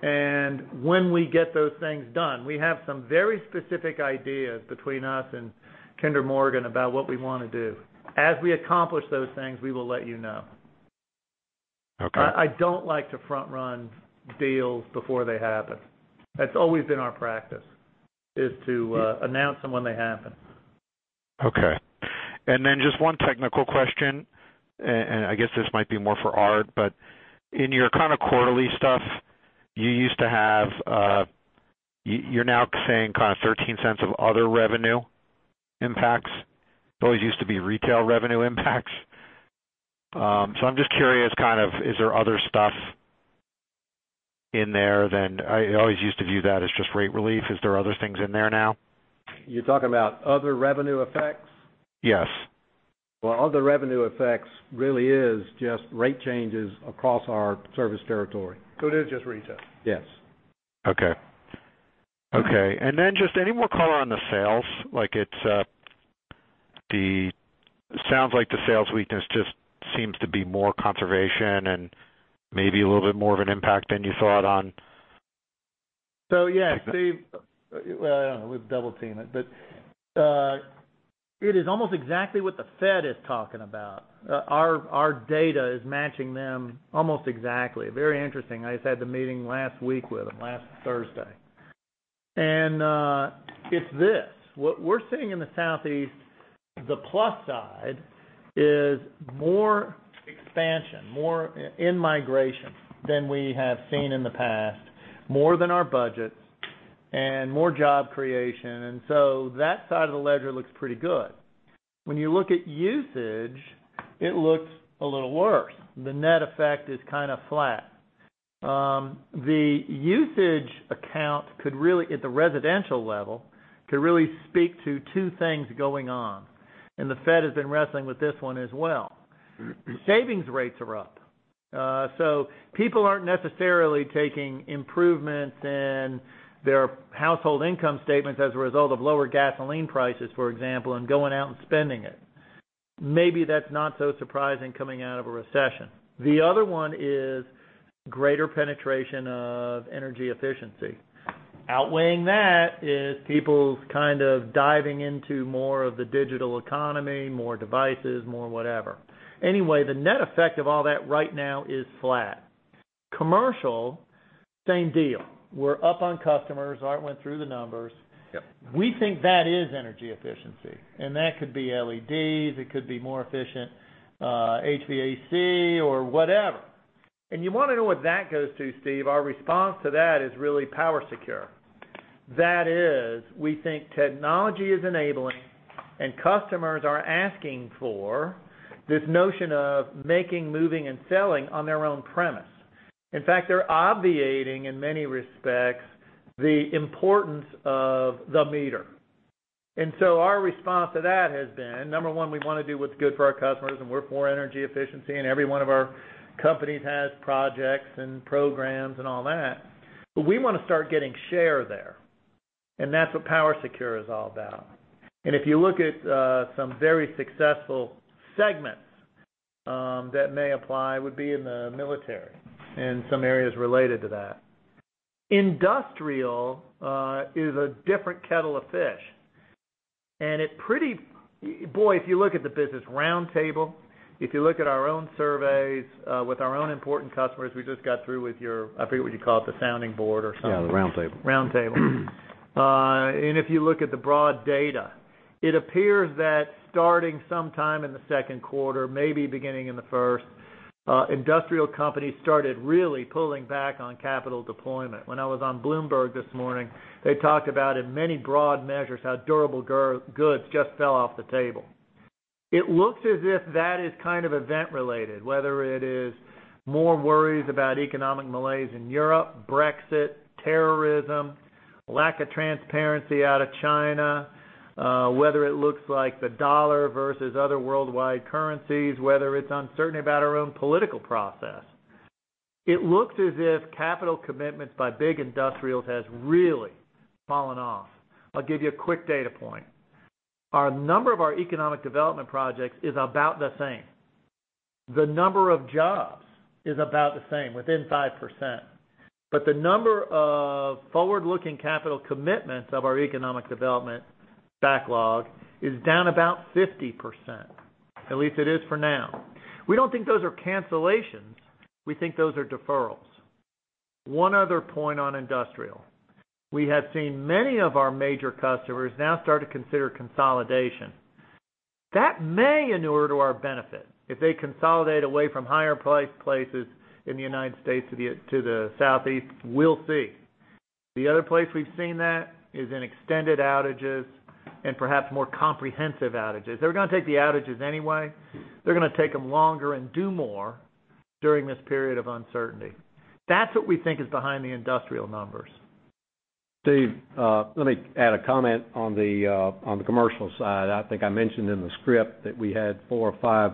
S3: When we get those things done, we have some very specific ideas between us and Kinder Morgan about what we want to do. As we accomplish those things, we will let you know.
S9: Okay.
S3: I don't like to front-run deals before they happen. That's always been our practice, is to announce them when they happen.
S9: Okay. Just one technical question, I guess this might be more for Art, in your kind of quarterly stuff, you're now saying kind of $0.13 of other revenue impacts. It always used to be retail revenue impacts. I'm just curious, is there other stuff in there than I always used to view that as just rate relief? Is there other things in there now?
S3: You're talking about other revenue effects?
S9: Yes.
S4: Well, other revenue effects really is just rate changes across our service territory.
S3: It is just retail.
S4: Yes.
S9: Okay. Just any more color on the sales? It sounds like the sales weakness just seems to be more conservation and maybe a little bit more of an impact than you thought on.
S3: Yeah, Steve. I don't know. We've double-teamed it. It is almost exactly what the Fed is talking about. Our data is matching them almost exactly. Very interesting. I just had the meeting last week with them, last Thursday. It is this. What we're seeing in the Southeast, the plus side is more expansion, more in-migration than we have seen in the past, more than our budgets, and more job creation. That side of the ledger looks pretty good. When you look at usage, it looks a little worse. The net effect is kind of flat. The usage account at the residential level, could really speak to two things going on, and the Fed has been wrestling with this one as well. Savings rates are up. People aren't necessarily taking improvements in their household income statements as a result of lower gasoline prices, for example, and going out and spending it. Maybe that's not so surprising coming out of a recession. The other one is greater penetration of energy efficiency. Outweighing that is people kind of diving into more of the digital economy, more devices, more whatever. Anyway, the net effect of all that right now is flat. Commercial, same deal. We're up on customers. Art went through the numbers.
S4: Yep.
S3: We think that is energy efficiency, and that could be LEDs. It could be more efficient HVAC or whatever. You want to know what that goes to, Steve? Our response to that is really PowerSecure. That is, we think technology is enabling and customers are asking for this notion of making, moving and selling on their own premise. In fact, they're obviating, in many respects, the importance of the meter. Our response to that has been, number one, we want to do what's good for our customers, we're for energy efficiency, and every one of our companies has projects and programs and all that. We want to start getting share there. That's what PowerSecure is all about. If you look at some very successful segments that may apply would be in the military and some areas related to that. Industrial is a different kettle of fish. Boy, if you look at the business roundtable, if you look at our own surveys with our own important customers, we just got through with your, I forget what you call it, the sounding board or something. Yeah, the Roundtable. Roundtable. If you look at the broad data, it appears that starting sometime in the second quarter, maybe beginning in the first, industrial companies started really pulling back on capital deployment. When I was on Bloomberg this morning, they talked about in many broad measures how durable goods just fell off the table. It looks as if that is kind of event related, whether it is more worries about economic malaise in Europe, Brexit, terrorism. Lack of transparency out of China, whether it looks like the dollar versus other worldwide currencies, whether it's uncertainty about our own political process. It looks as if capital commitments by big industrials has really fallen off. I'll give you a quick data point. Our number of our economic development projects is about the same. The number of jobs is about the same, within 5%. The number of forward-looking capital commitments of our economic development backlog is down about 50%. At least it is for now. We don't think those are cancellations. We think those are deferrals. One other point on industrial. We have seen many of our major customers now start to consider consolidation. That may inure to our benefit if they consolidate away from higher places in the United States to the Southeast. We'll see. The other place we've seen that is in extended outages and perhaps more comprehensive outages. They were going to take the outages anyway. They're going to take them longer and do more during this period of uncertainty. That's what we think is behind the industrial numbers.
S4: Steve, let me add a comment on the commercial side. I think I mentioned in the script that we had four or five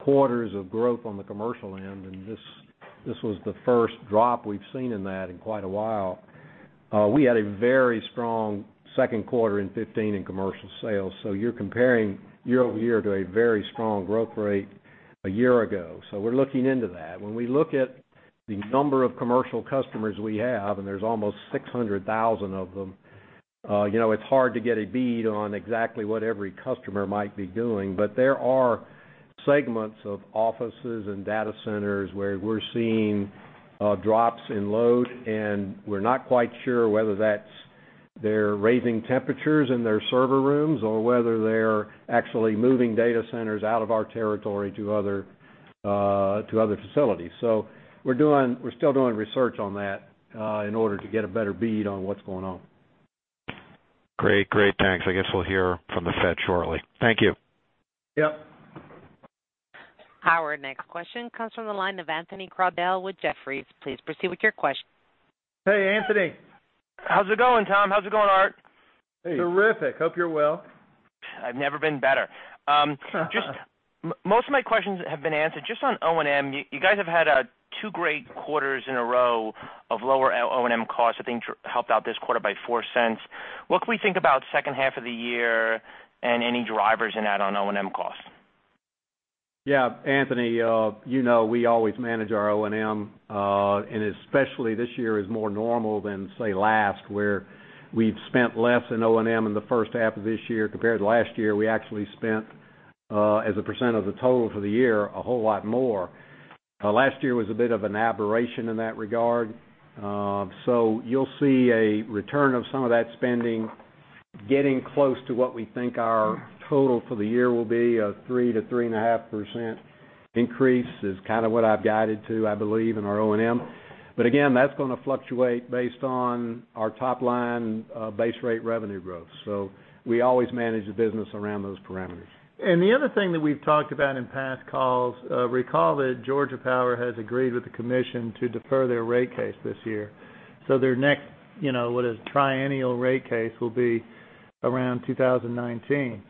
S4: quarters of growth on the commercial end, and this was the first drop we've seen in that in quite a while. We had a very strong second quarter in 2015 in commercial sales. You're comparing year-over-year to a very strong growth rate a year ago. We're looking into that. When we look at the number of commercial customers we have, and there's almost 600,000 of them, it's hard to get a bead on exactly what every customer might be doing. There are segments of offices and data centers where we're seeing drops in load, and we're not quite sure whether that's they're raising temperatures in their server rooms or whether they're actually moving data centers out of our territory to other facilities. We're still doing research on that in order to get a better bead on what's going on.
S9: Great. Thanks. I guess we'll hear from the Fed shortly. Thank you.
S3: Yep.
S1: Our next question comes from the line of Anthony Crowdell with Jefferies. Please proceed with your question.
S3: Hey, Anthony.
S10: How's it going, Tom? How's it going, Art?
S4: Hey.
S3: Terrific. Hope you're well.
S10: I've never been better. Most of my questions have been answered. Just on O&M, you guys have had two great quarters in a row of lower O&M costs, I think helped out this quarter by $0.04. What can we think about second half of the year and any drivers in that on O&M costs?
S4: Yeah, Anthony, you know we always manage our O&M. Especially this year is more normal than, say, last, where we've spent less in O&M in the first half of this year compared to last year. We actually spent, as a percent of the total for the year, a whole lot more. Last year was a bit of an aberration in that regard. You'll see a return of some of that spending getting close to what we think our total for the year will be. A 3% to 3.5% increase is kind of what I've guided to, I believe, in our O&M. Again, that's going to fluctuate based on our top line base rate revenue growth. We always manage the business around those parameters.
S3: The other thing that we've talked about in past calls, recall that Georgia Power has agreed with the commission to defer their rate case this year. Their next triennial rate case will be around 2019.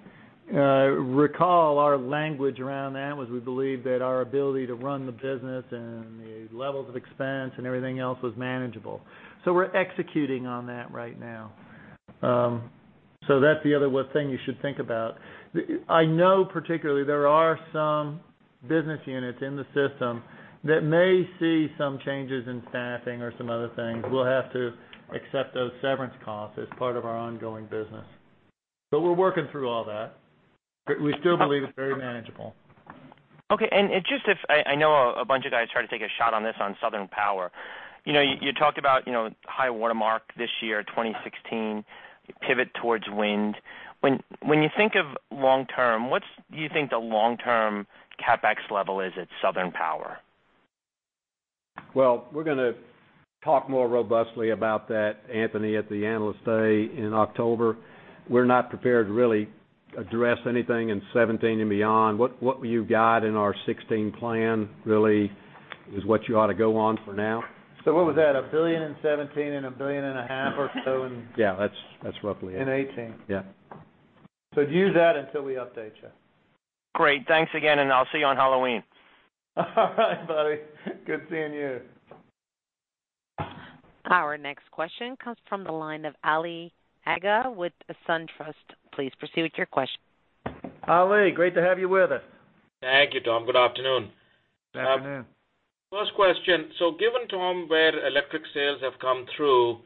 S3: Recall our language around that was we believe that our ability to run the business and the levels of expense and everything else was manageable. We're executing on that right now. That's the other thing you should think about. I know particularly there are some business units in the system that may see some changes in staffing or some other things. We'll have to accept those severance costs as part of our ongoing business. We're working through all that. We still believe it's very manageable.
S10: Okay. I know a bunch of guys tried to take a shot on this on Southern Power. You talked about high watermark this year, 2016, pivot towards wind. When you think of long term, what do you think the long-term CapEx level is at Southern Power?
S4: Well, we're going to talk more robustly about that, Anthony, at the Analyst Day in October. We're not prepared really to address anything in 2017 and beyond. What you've got in our 2016 plan really is what you ought to go on for now.
S3: What was that, $1 billion in 2017 and $1.5 billion or so in?
S4: Yeah, that's roughly it.
S3: in 2018.
S4: Yeah.
S3: Use that until we update you.
S10: Great. Thanks again, I'll see you on Halloween.
S3: All right, buddy. Good seeing you.
S1: Our next question comes from the line of Ali Agha with SunTrust. Please proceed with your question.
S3: Ali, great to have you with us.
S11: Thank you, Tom. Good afternoon.
S3: Afternoon.
S11: First question. Given, Tom, where electric sales have come through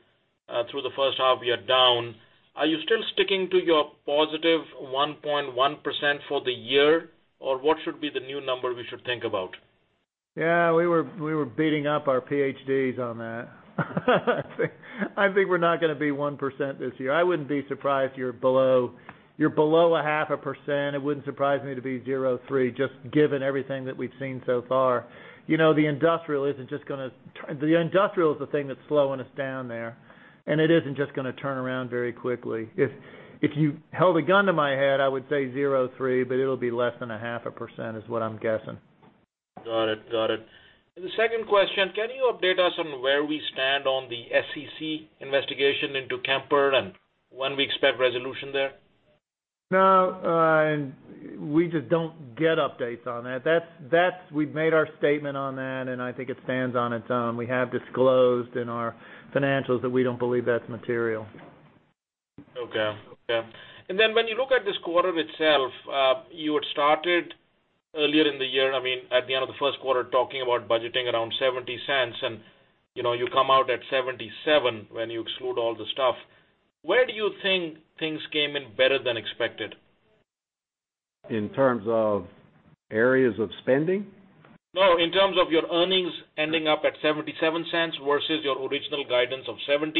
S11: the first half, you're down. Are you still sticking to your positive 1.1% for the year, or what should be the new number we should think about?
S3: Yeah, we were beating up our PH.D.s on that. I think we're not going to be 1% this year. I wouldn't be surprised you're below a half a percent. It wouldn't surprise me to be 0.3, just given everything that we've seen so far. The industrial is the thing that's slowing us down there. It isn't just going to turn around very quickly. If you held a gun to my head, I would say 0.3. It'll be less than a half a percent is what I'm guessing.
S11: Got it. The second question, can you update us on where we stand on the SEC investigation into Kemper and when we expect resolution there?
S3: No, we just don't get updates on that. We've made our statement on that, and I think it stands on its own. We have disclosed in our financials that we don't believe that's material.
S11: Okay. When you look at this quarter itself, you had started earlier in the year, at the end of the first quarter, talking about budgeting around $0.70 and you come out at $0.77 when you exclude all the stuff. Where do you think things came in better than expected?
S3: In terms of areas of spending?
S11: No, in terms of your earnings ending up at $0.77 versus your original guidance of $0.70.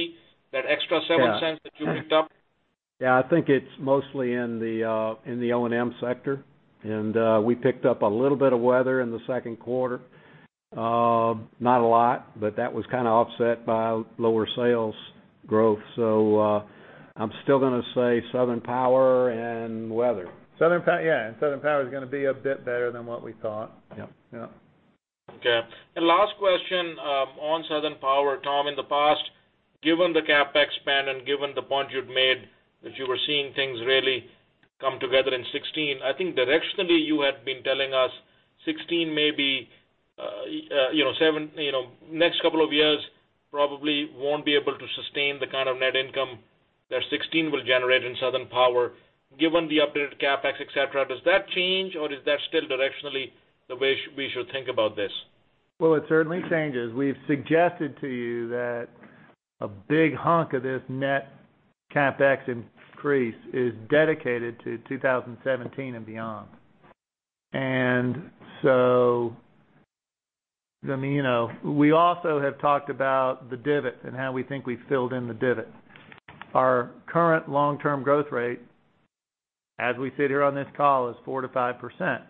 S11: That extra $0.07 that you picked up.
S3: Yeah, I think it's mostly in the O&M sector. We picked up a little bit of weather in the second quarter. Not a lot, but that was kind of offset by lower sales growth. I'm still going to say Southern Power and weather. Southern Power, yeah. Southern Power's going to be a bit better than what we thought. Yep. Yep.
S11: Okay. Last question on Southern Power, Tom. In the past, given the CapEx spend and given the point you'd made that you were seeing things really come together in 2016, I think directionally you had been telling us next couple of years probably won't be able to sustain the kind of net income that 2016 will generate in Southern Power. Given the updated CapEx, et cetera, does that change or is that still directionally the way we should think about this?
S3: Well, it certainly changes. We've suggested to you that a big hunk of this net CapEx increase is dedicated to 2017 and beyond. We also have talked about the divot and how we think we've filled in the divot. Our current long-term growth rate, as we sit here on this call, is 4% to 5%.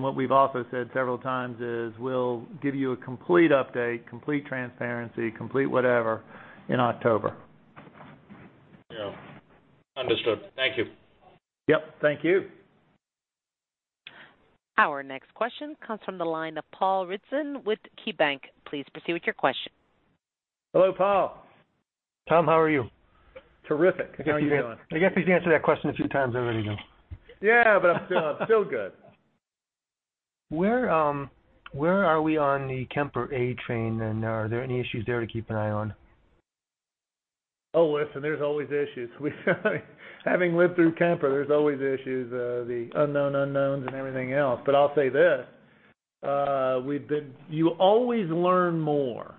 S3: What we've also said several times is we'll give you a complete update, complete transparency, complete whatever, in October.
S11: Yeah. Understood. Thank you.
S3: Yep. Thank you.
S1: Our next question comes from the line of Paul Ridzon with KeyBanc. Please proceed with your question.
S3: Hello, Paul.
S12: Tom, how are you?
S3: Terrific. How are you doing?
S12: I guess we can answer that question a few times over again.
S3: Yeah, but I'm still good.
S12: Where are we on the Kemper A train, and are there any issues there to keep an eye on?
S3: Oh, listen, there's always issues. Having lived through Kemper IGCC, there's always issues. The unknown unknowns and everything else. I'll say this, you always learn more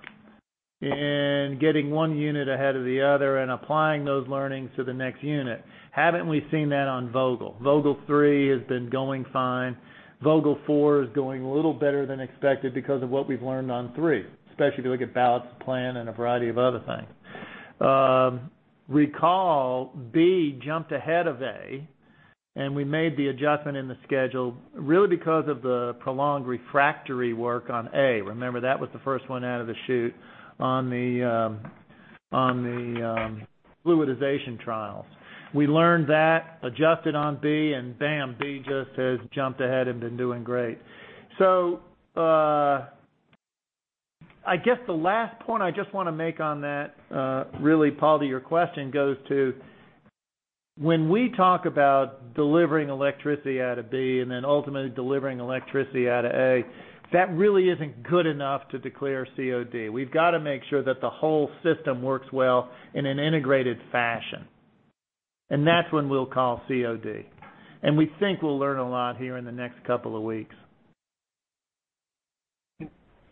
S3: in getting one unit ahead of the other and applying those learnings to the next unit. Haven't we seen that on Vogtle? Vogtle three has been going fine. Vogtle four is doing a little better than expected because of what we've learned on three, especially if you look at balance of plant and a variety of other things. Recall B jumped ahead of A. We made the adjustment in the schedule really because of the prolonged refractory work on A. Remember, that was the first one out of the chute on the fluidization trials. We learned that, adjusted on B, bam, B just has jumped ahead and been doing great. I guess the last point I just want to make on that, really, Paul, to your question, goes to when we talk about delivering electricity out of B and then ultimately delivering electricity out of A, that really isn't good enough to declare COD. We've got to make sure that the whole system works well in an integrated fashion. That's when we'll call COD. We think we'll learn a lot here in the next couple of weeks.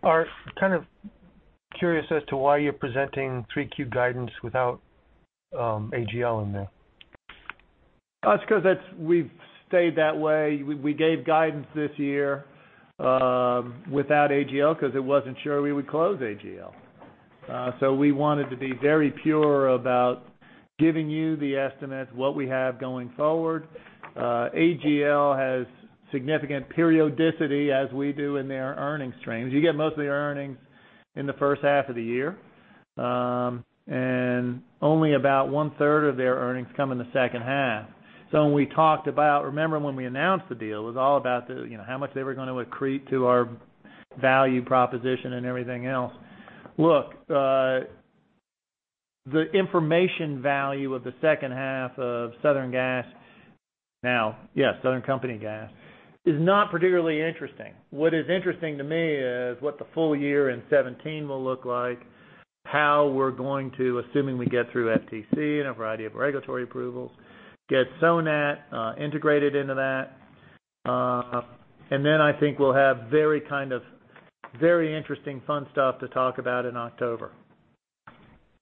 S12: Are kind of curious as to why you're presenting 3Q guidance without AGL in there.
S3: That's because we've stayed that way. We gave guidance this year without AGL because it wasn't sure we would close AGL. We wanted to be very pure about giving you the estimates, what we have going forward. AGL has significant periodicity as we do in their earnings streams. You get most of their earnings in the first half of the year. Only about one-third of their earnings come in the second half. When we talked about, remember when we announced the deal, it was all about how much they were going to accrete to our value proposition and everything else. Look, the information value of the second half of Southern Company Gas is not particularly interesting. What is interesting to me is what the full year in 2017 will look like, how we're going to, assuming we get through FTC and a variety of regulatory approvals, get Sonat integrated into that. I think we'll have very kind of very interesting, fun stuff to talk about in October.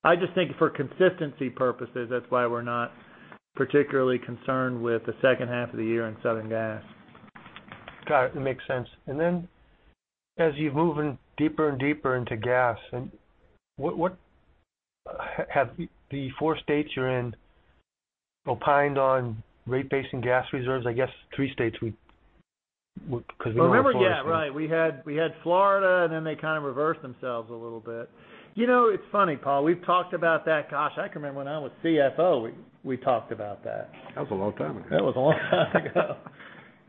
S3: I just think for consistency purposes, that's why we're not particularly concerned with the second half of the year in Southern Gas.
S12: Got it. Makes sense. As you're moving deeper and deeper into gas, have the four states you're in opined on rate base and gas reserves? I guess three states because we were in Florida.
S3: Remember, yeah. Right. We had Florida, and then they kind of reversed themselves a little bit. It's funny, Paul, we've talked about that, gosh, I can remember when I was CFO, we talked about that.
S12: That was a long time ago.
S3: That was a long time ago.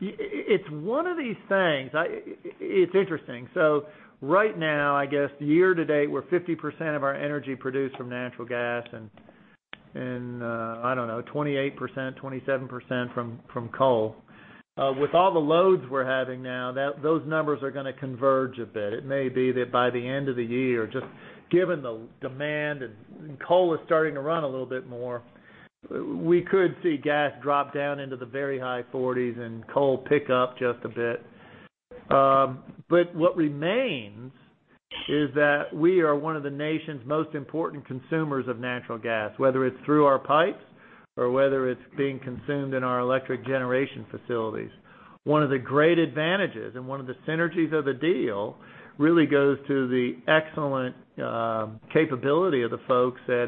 S3: It is one of these things. It is interesting. Right now, I guess year-to-date, we are 50% of our energy produced from natural gas and, I don't know, 28%, 27% from coal. With all the loads we are having now, those numbers are going to converge a bit. It may be that by the end of the year, just given the demand and coal is starting to run a little bit more, we could see gas drop down into the very high 40s and coal pick up just a bit. What remains is that we are one of the nation's most important consumers of natural gas, whether it is through our pipes or whether it is being consumed in our electric generation facilities. One of the great advantages and one of the synergies of the deal really goes to the excellent capability of the folks at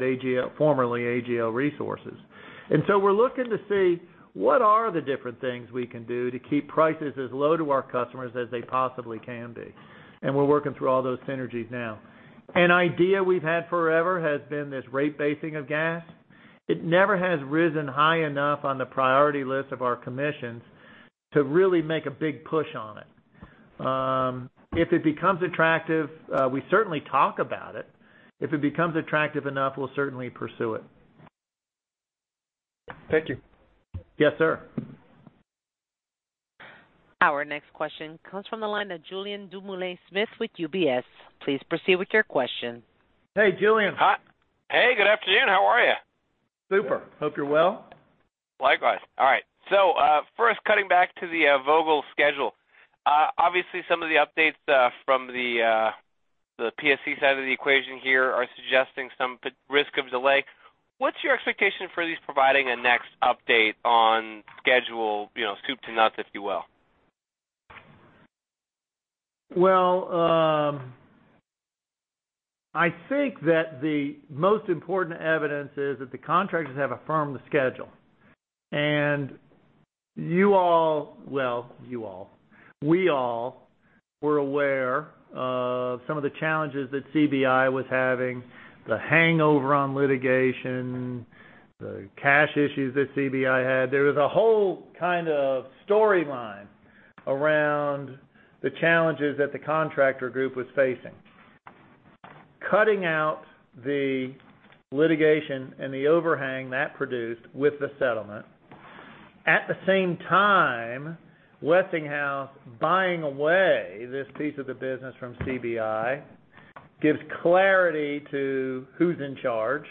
S3: formerly AGL Resources. We're looking to see what are the different things we can do to keep prices as low to our customers as they possibly can be. We're working through all those synergies now. An idea we've had forever has been this rate basing of gas. It never has risen high enough on the priority list of our commissions to really make a big push on it. If it becomes attractive, we certainly talk about it. If it becomes attractive enough, we'll certainly pursue it.
S12: Thank you.
S3: Yes, sir.
S1: Our next question comes from the line of Julien Dumoulin-Smith with UBS. Please proceed with your question.
S3: Hey, Julien.
S13: Hi. Hey, good afternoon. How are you?
S3: Super. Hope you're well.
S13: Likewise. All right. First cutting back to the Vogtle schedule. Obviously some of the updates from the PSC side of the equation here are suggesting some risk of delay. What's your expectation for these providing a next update on schedule, scoop to nuts, if you will?
S3: Well, I think that the most important evidence is that the contractors have affirmed the schedule. We all were aware of some of the challenges that CBI was having, the hangover on litigation, the cash issues that CBI had. There was a whole kind of storyline around the challenges that the contractor group was facing. Cutting out the litigation and the overhang that produced with the settlement. At the same time, Westinghouse buying away this piece of the business from CBI gives clarity to who's in charge,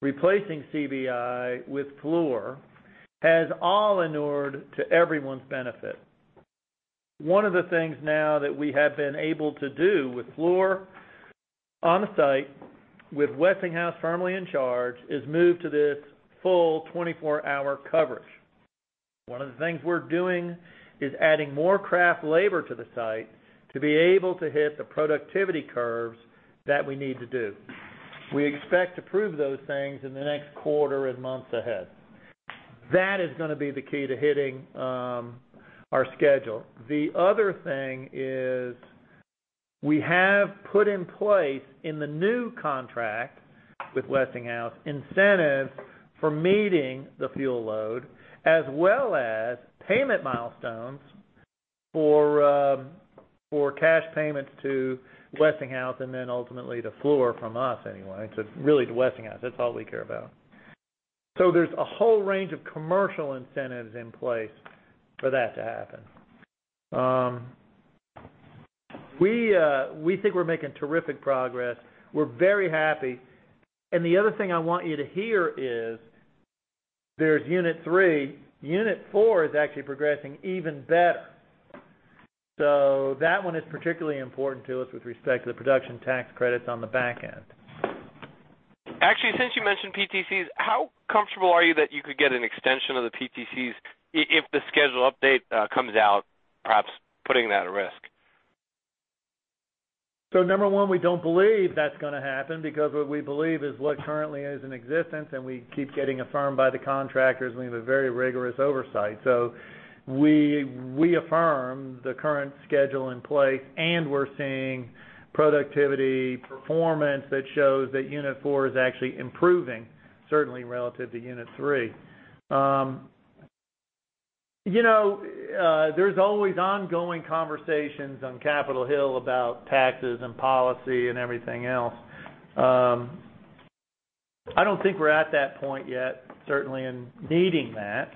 S3: replacing CBI with Fluor has all inured to everyone's benefit. One of the things now that we have been able to do with Fluor on the site with Westinghouse firmly in charge, is move to this full 24-hour coverage. One of the things we're doing is adding more craft labor to the site to be able to hit the productivity curves that we need to do. We expect to prove those things in the next quarter and months ahead. That is going to be the key to hitting our schedule. The other thing is we have put in place in the new contract with Westinghouse, incentives for meeting the fuel load as well as payment milestones for cash payments to Westinghouse and ultimately to Fluor from us anyway. Really to Westinghouse, that's all we care about. There's a whole range of commercial incentives in place for that to happen. We think we're making terrific progress. We're very happy. The other thing I want you to hear is there's unit 3, unit 4 is actually progressing even better. That one is particularly important to us with respect to the production tax credits on the back end.
S13: Actually, since you mentioned PTCs, how comfortable are you that you could get an extension of the PTCs if the schedule update comes out, perhaps putting that at risk?
S3: Number one, we don't believe that's going to happen because what we believe is what currently is in existence, and we keep getting affirmed by the contractors, and we have a very rigorous oversight. We affirm the current schedule in place, and we're seeing productivity performance that shows that unit 4 is actually improving, certainly relative to unit 3. There's always ongoing conversations on Capitol Hill about taxes and policy and everything else. I don't think we're at that point yet, certainly in needing that.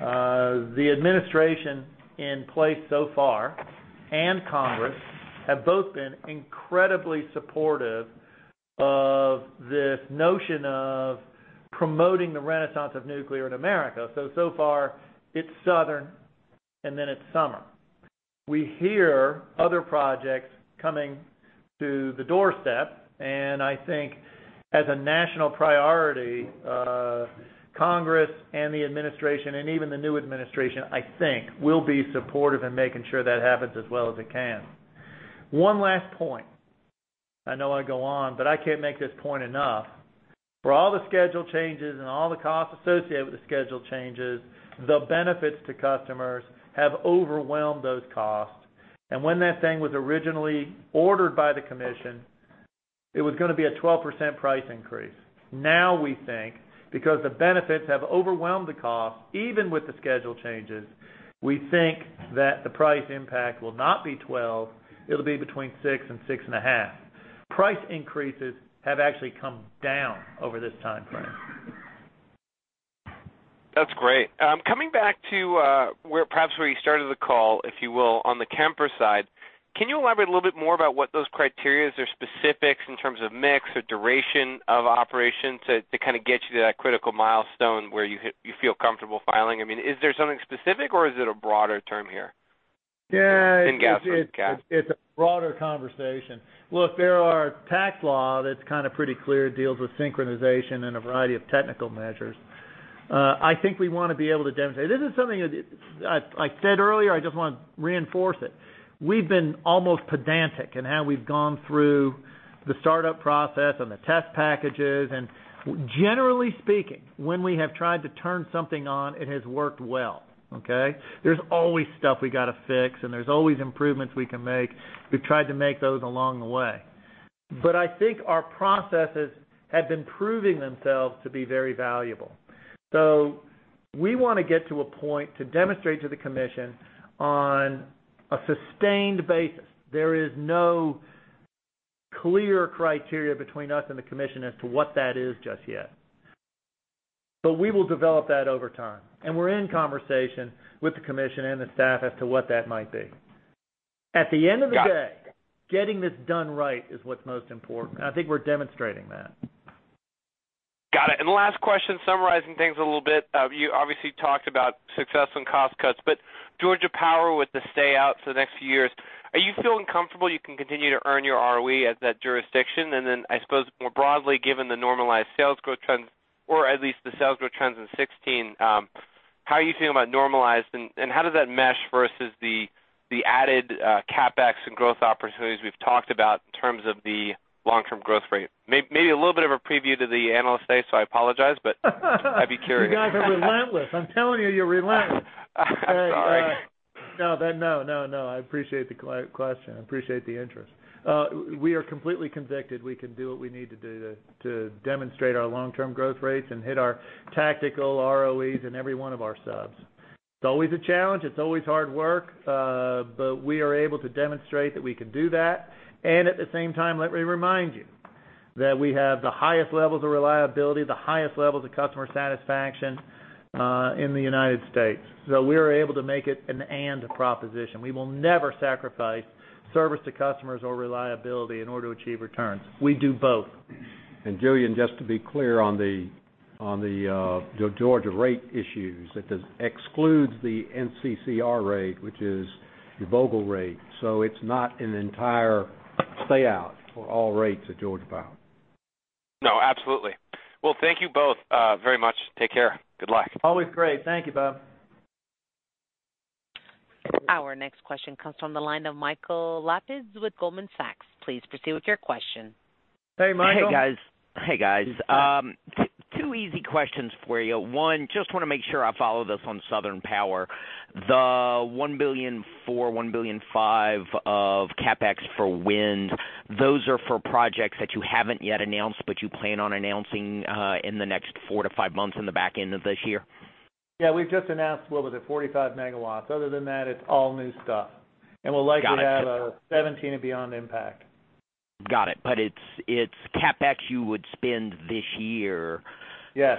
S3: The administration in place so far and Congress have both been incredibly supportive of this notion of promoting the renaissance of nuclear in America. So far it's Southern and then it's summer. We hear other projects coming to the doorstep and I think as a national priority, Congress and the administration and even the new administration, I think will be supportive in making sure that happens as well as it can. One last point. I know I go on, but I can't make this point enough. For all the schedule changes and all the costs associated with the schedule changes, the benefits to customers have overwhelmed those costs. When that thing was originally ordered by the commission, it was going to be a 12% price increase. We think because the benefits have overwhelmed the cost, even with the schedule changes, we think that the price impact will not be 12, it'll be between six and six and a half. Price increases have actually come down over this timeframe.
S13: That's great. Coming back to perhaps where you started the call, if you will, on the Kemper side, can you elaborate a little bit more about what those criteria or specifics in terms of mix or duration of operations that get you to that critical milestone where you feel comfortable filing? Is there something specific or is it a broader term here?
S3: Yeah.
S13: In gas or in CapEx?
S3: It's a broader conversation. Look, there are tax law that's pretty clear. It deals with synchronization and a variety of technical measures. I think we want to be able to demonstrate. This is something that I said earlier, I just want to reinforce it. We've been almost pedantic in how we've gone through the startup process and the test packages. Generally speaking, when we have tried to turn something on, it has worked well. Okay? There's always stuff we got to fix, and there's always improvements we can make. We've tried to make those along the way. I think our processes have been proving themselves to be very valuable. We want to get to a point to demonstrate to the Commission on a sustained basis. There is no clear criteria between us and the Commission as to what that is just yet. We will develop that over time, and we're in conversation with the Commission and the staff as to what that might be.
S13: Got it
S3: Getting this done right is what's most important, and I think we're demonstrating that.
S13: Got it. Last question, summarizing things a little bit. You obviously talked about success and cost cuts, but Georgia Power with the stay out for the next few years, are you feeling comfortable you can continue to earn your ROE at that jurisdiction? I suppose more broadly, given the normalized sales growth trends or at least the sales growth trends in 2016, how are you feeling about normalized and how does that mesh versus the added CapEx and growth opportunities we've talked about in terms of the long-term growth rate? Maybe a little bit of a preview to the Analyst Day, I apologize, but I'd be curious.
S3: You guys are relentless. I'm telling you're relentless.
S13: Sorry.
S3: No. I appreciate the question. I appreciate the interest. We are completely convicted we can do what we need to do to demonstrate our long-term growth rates and hit our tactical ROEs in every one of our subs. It's always a challenge. It's always hard work. We are able to demonstrate that we can do that, and at the same time, let me remind you that we have the highest levels of reliability, the highest levels of customer satisfaction in the United States. We are able to make it an and proposition. We will never sacrifice service to customers or reliability in order to achieve returns. We do both.
S4: Julien, just to be clear on the Georgia rate issues, it does exclude the NCCR rate, which is the Vogtle rate. It's not an entire stay out for all rates at Georgia Power.
S13: No, absolutely. Well, thank you both very much. Take care. Good luck.
S3: Always great. Thank you, Bob.
S1: Our next question comes from the line of Michael Lapides with Goldman Sachs. Please proceed with your question.
S3: Hey, Michael.
S14: Hey, guys. Two easy questions for you. One, just want to make sure I follow this on Southern Power. The $1.4 billion, $1.5 billion of CapEx for wind, those are for projects that you haven't yet announced, but you plan on announcing in the next four to five months in the back end of this year?
S3: Yeah, we've just announced, what was it, 45 megawatts. Other than that, it's all new stuff.
S14: Got it.
S3: We'll likely have a 2017 and beyond impact.
S14: Got it. It's CapEx you would spend this year-
S3: Yes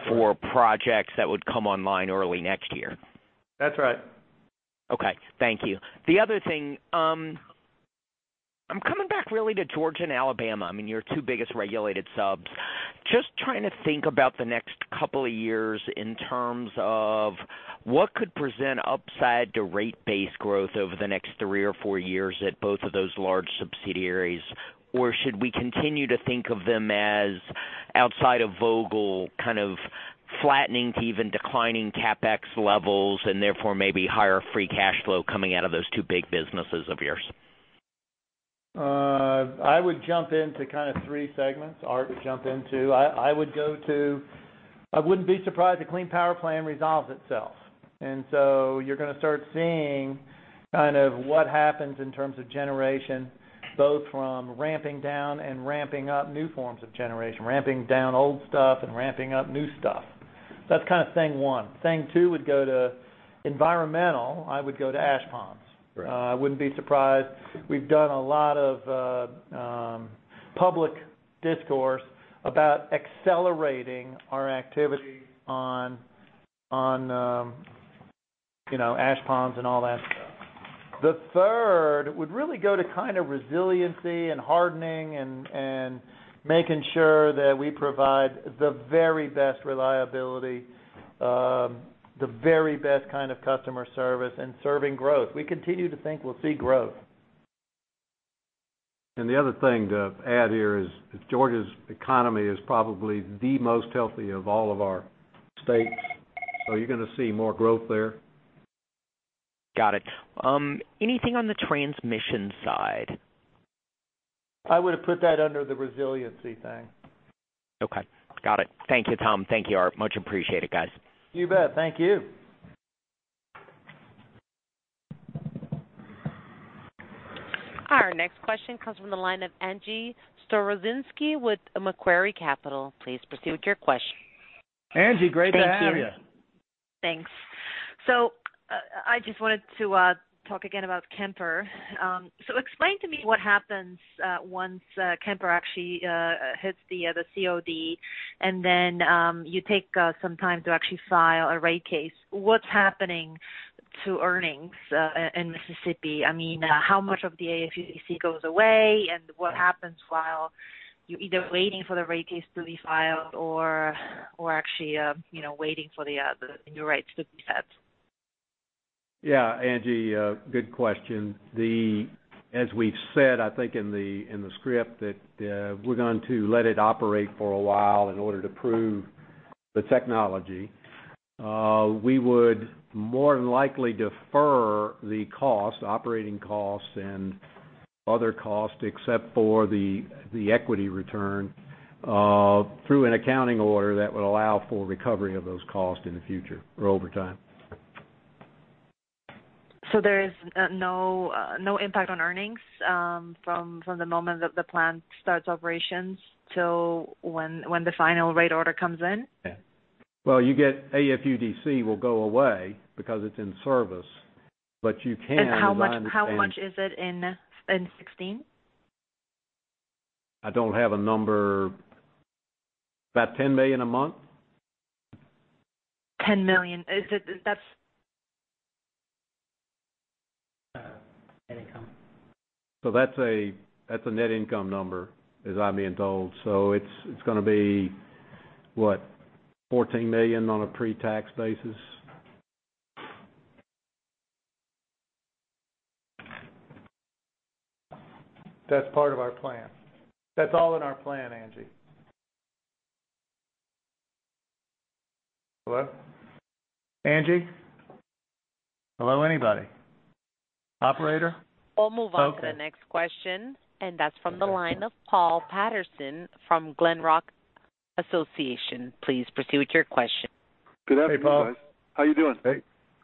S14: for projects that would come online early next year.
S3: That's right.
S14: Okay. Thank you. The other thing. I'm coming back really to Georgia and Alabama. I mean, your two biggest regulated subs. Just trying to think about the next couple of years in terms of what could present upside to rate base growth over the next three or four years at both of those large subsidiaries. Should we continue to think of them as outside of Vogtle, kind of flattening to even declining CapEx levels and therefore maybe higher free cash flow coming out of those two big businesses of yours?
S3: I would jump into kind of three segments. Art would jump in, too. I wouldn't be surprised if Clean Power Plan resolves itself. You're going to start seeing what happens in terms of generation, both from ramping down and ramping up new forms of generation, ramping down old stuff and ramping up new stuff. That's kind of thing one. Thing two would go to environmental. I would go to ash ponds.
S4: Right.
S3: I wouldn't be surprised. We've done a lot of public discourse about accelerating our activity on ash ponds and all that stuff. The third would really go to kind of resiliency and hardening and making sure that we provide the very best reliability, the very best kind of customer service, and serving growth. We continue to think we'll see growth.
S4: The other thing to add here is that Georgia's economy is probably the most healthy of all of our states. You're going to see more growth there.
S14: Got it. Anything on the transmission side?
S3: I would have put that under the resiliency thing.
S14: Okay. Got it. Thank you, Tom. Thank you, Art. Much appreciated, guys.
S3: You bet. Thank you.
S1: Our next question comes from the line of Angie Storozynski with Macquarie Capital. Please proceed with your question.
S3: Angie, great to have you.
S15: Thank you. Thanks. I just wanted to talk again about Kemper. Explain to me what happens once Kemper actually hits the COD, and then you take some time to actually file a rate case. What's happening to earnings in Mississippi? How much of the AFUDC goes away, and what happens while you're either waiting for the rate case to be filed or actually waiting for the new rates to be set?
S3: Yeah, Angie good question. As we've said, I think in the script, that we're going to let it operate for a while in order to prove the technology. We would more than likely defer the cost, operating costs and other costs, except for the equity return, through an accounting order that would allow for recovery of those costs in the future or over time.
S15: There is no impact on earnings from the moment that the plant starts operations till when the final rate order comes in?
S3: Yeah. Well, you get AFUDC will go away because it's in service, but you can.
S15: How much is it in 2016?
S3: I don't have a number. About $10 million a month.
S15: $10 million. Is it, that's
S4: Net income.
S3: That's a net income number, as I'm being told. It's going to be, what, $14 million on a pre-tax basis? That's part of our plan. That's all in our plan, Angie. Hello? Angie? Hello, anybody? Operator?
S1: I'll move on to the next question.
S3: Okay.
S1: That's from the line of Paul Patterson from Glenrock Associates. Please proceed with your question.
S16: Good afternoon, guys.
S3: Hey, Paul. How you doing?
S16: Hey.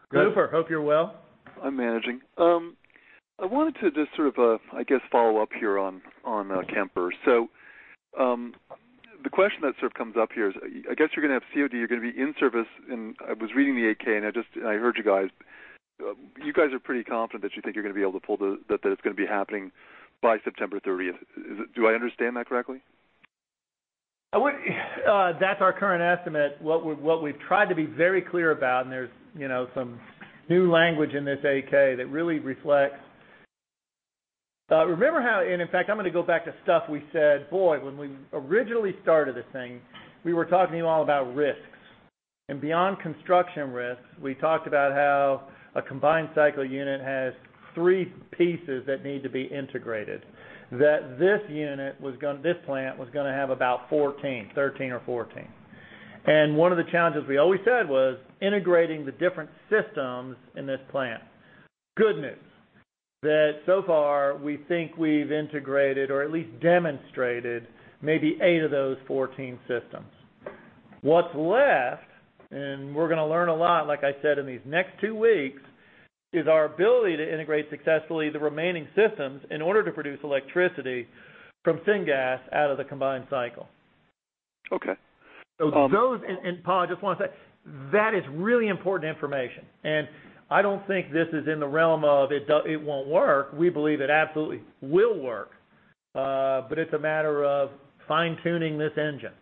S16: Good.
S3: Hope you're well.
S16: I'm managing. I wanted to just sort of, I guess, follow up here on Kemper. The question that sort of comes up here is, I guess you're going to have COD, you're going to be in service in I was reading the 8-K, and I heard you guys. You guys are pretty confident that you think you're going to be able to pull the, that it's going to be happening by September 30th. Do I understand that correctly?
S3: That's our current estimate. What we've tried to be very clear about, and there's some new language in this 8-K that really reflects. Remember how, and in fact, I'm going to go back to stuff we said, boy, when we originally started this thing, we were talking to you all about risks. Beyond construction risks, we talked about how a combined cycle unit has three pieces that need to be integrated. That this plant was going to have about 13 or 14. One of the challenges we always said was integrating the different systems in this plant. Good news. That so far we think we've integrated or at least demonstrated maybe eight of those 14 systems. What's left, and we're going to learn a lot, like I said, in these next two weeks, is our ability to integrate successfully the remaining systems in order to produce electricity from syngas out of the combined cycle.
S16: Okay.
S3: Those, and Paul, I just want to say, that is really important information. I don't think this is in the realm of it won't work. We believe it absolutely will work. It's a matter of fine-tuning this engine.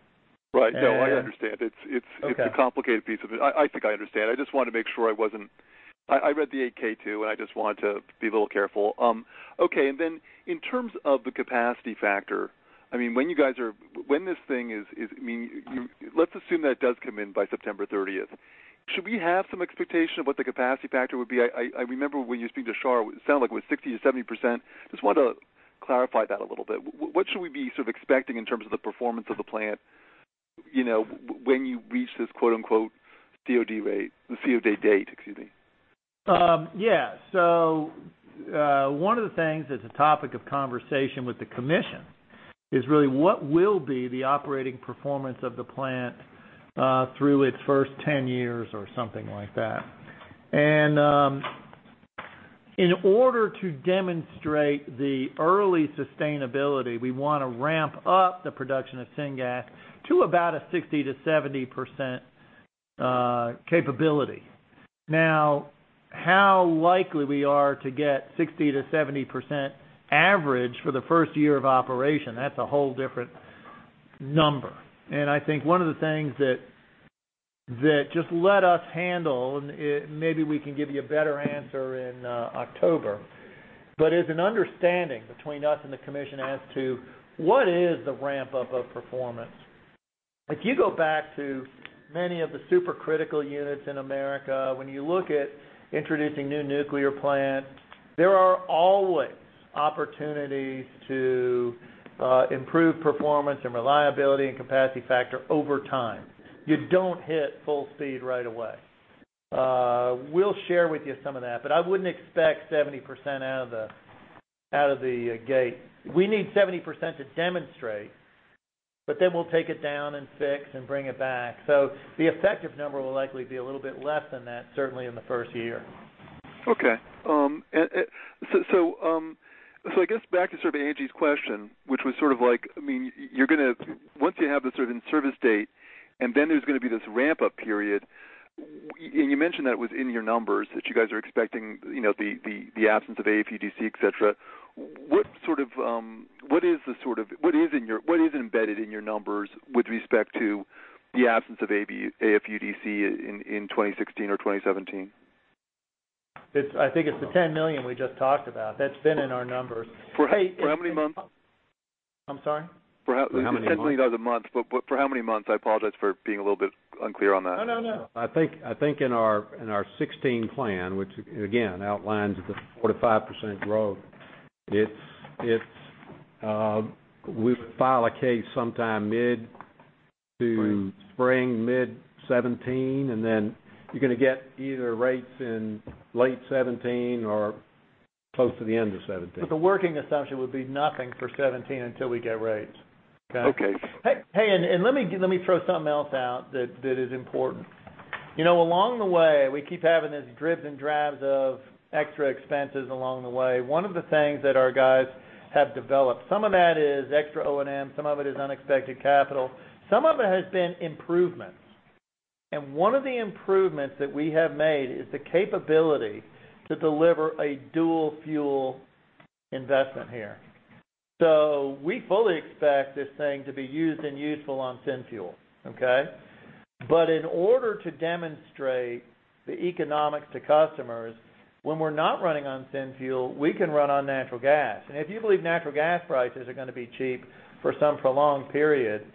S16: Right. No, I understand.
S3: Okay.
S16: It's a complicated piece of it. I think I understand. I just wanted to make sure I read the 8-K too, and I just wanted to be a little careful. Okay, in terms of the capacity factor, when this thing Let's assume that it does come in by September 30th. Should we have some expectation of what the capacity factor would be? I remember when you spoke to Shar, it sounded like it was 60%-70%. Just wanted to clarify that a little bit. What should we be sort of expecting in terms of the performance of the plant, when you reach this "COD rate," the COD date, excuse me?
S3: Yeah. One of the things that's a topic of conversation with the commission is really what will be the operating performance of the plant through its first 10 years or something like that. In order to demonstrate the early sustainability, we want to ramp up the production of syngas to about a 60%-70% capability. Now, how likely we are to get 60%-70% average for the first year of operation, that's a whole different number. I think one of the things that just let us handle, maybe we can give you a better answer in October. As an understanding between us and the commission as to what is the ramp-up of performance. If you go back to many of the supercritical units in America, when you look at introducing new nuclear plant, there are always opportunities to improve performance and reliability and capacity factor over time. You don't hit full speed right away. We'll share with you some of that, I wouldn't expect 70% out of the gate. We need 70% to demonstrate. We'll take it down and fix and bring it back. The effective number will likely be a little bit less than that, certainly in the first year.
S16: Okay. I guess back to sort of Angie's question, which was sort of like, once you have the certain service date there's going to be this ramp-up period, you mentioned that was in your numbers, that you guys are expecting the absence of AFUDC, et cetera. What is embedded in your numbers with respect to the absence of AFUDC in 2016 or 2017?
S3: I think it's the $10 million we just talked about. That's been in our numbers.
S16: For how many months?
S3: I'm sorry?
S16: For how many months? It's $10 million a month, but for how many months? I apologize for being a little bit unclear on that. No.
S4: I think in our 2016 plan, which again, outlines the 4%-5% growth, we would file a case sometime mid-spring, mid-2017, then you're going to get either rates in late 2017 or close to the end of 2017.
S3: The working assumption would be nothing for 2017 until we get rates. Okay?
S16: Okay.
S3: Hey, let me throw something else out that is important. Along the way, we keep having these dribs and drabs of extra expenses along the way. One of the things that our guys have developed, some of that is extra O&M, some of it is unexpected capital, some of it has been improvements. One of the improvements that we have made is the capability to deliver a dual-fuel investment here. We fully expect this thing to be used and useful on syn fuel. Okay? In order to demonstrate the economics to customers, when we're not running on syn fuel, we can run on natural gas. If you believe natural gas prices are going to be cheap for some prolonged period,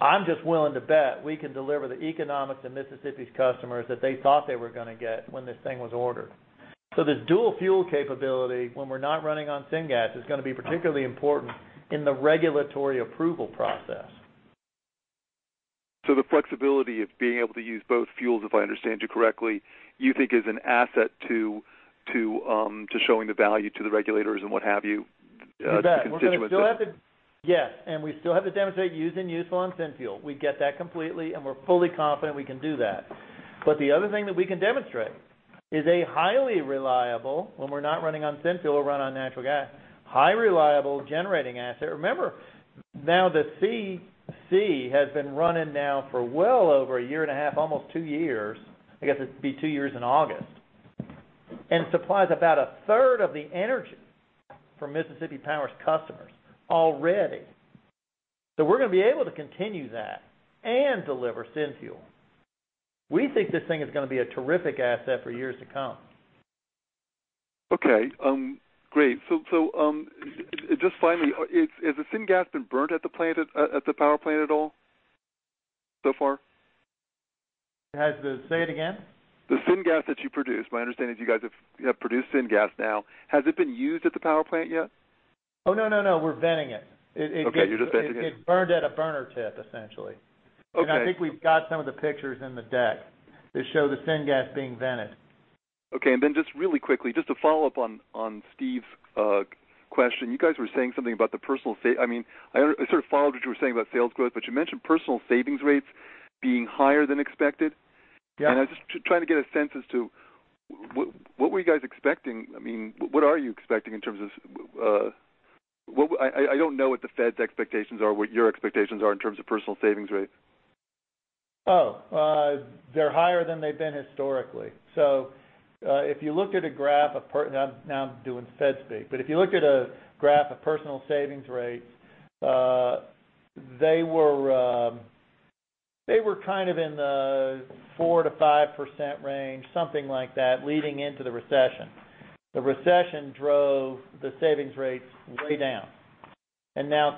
S3: I'm just willing to bet we can deliver the economics to Mississippi's customers that they thought they were going to get when this thing was ordered. This dual-fuel capability, when we're not running on syngas, is going to be particularly important in the regulatory approval process.
S16: The flexibility of being able to use both fuels, if I understand you correctly, you think is an asset to showing the value to the regulators and what have you, the constituents then?
S3: You bet. Yes, we still have to demonstrate used and useful on syn fuel. We get that completely, and we're fully confident we can do that. The other thing that we can demonstrate is a highly reliable, when we're not running on syn fuel, run on natural gas, high reliable generating asset. Remember, now the CC has been running now for well over a year and a half, almost two years. I guess it'd be two years in August. Supplies about a third of the energy for Mississippi Power's customers already. We're going to be able to continue that and deliver syn fuel. We think this thing is going to be a terrific asset for years to come.
S16: Okay, great. Just finally, has the syngas been burnt at the power plant at all so far?
S3: Say it again?
S16: The syngas that you produce. My understanding is you guys have produced syngas now. Has it been used at the power plant yet? Oh, no. We're venting it. Okay. You're just venting it.
S3: It's burned at a burner tip, essentially.
S16: Okay.
S3: I think we've got some of the pictures in the deck that show the syngas being vented.
S16: Just really quickly, just to follow up on Steve's question. You guys were saying something about the I sort of followed what you were saying about sales growth, but you mentioned personal savings rates being higher than expected. Yeah. I was just trying to get a sense as to what were you guys expecting? What are you expecting in terms of I don't know what the Fed's expectations are, what your expectations are in terms of personal savings rates. They're higher than they've been historically. If you looked at a graph of now I'm doing Fed speak. If you looked at a graph of personal savings rates, they were kind of in the 4%-5% range, something like that, leading into the recession. The recession drove the savings rates way down.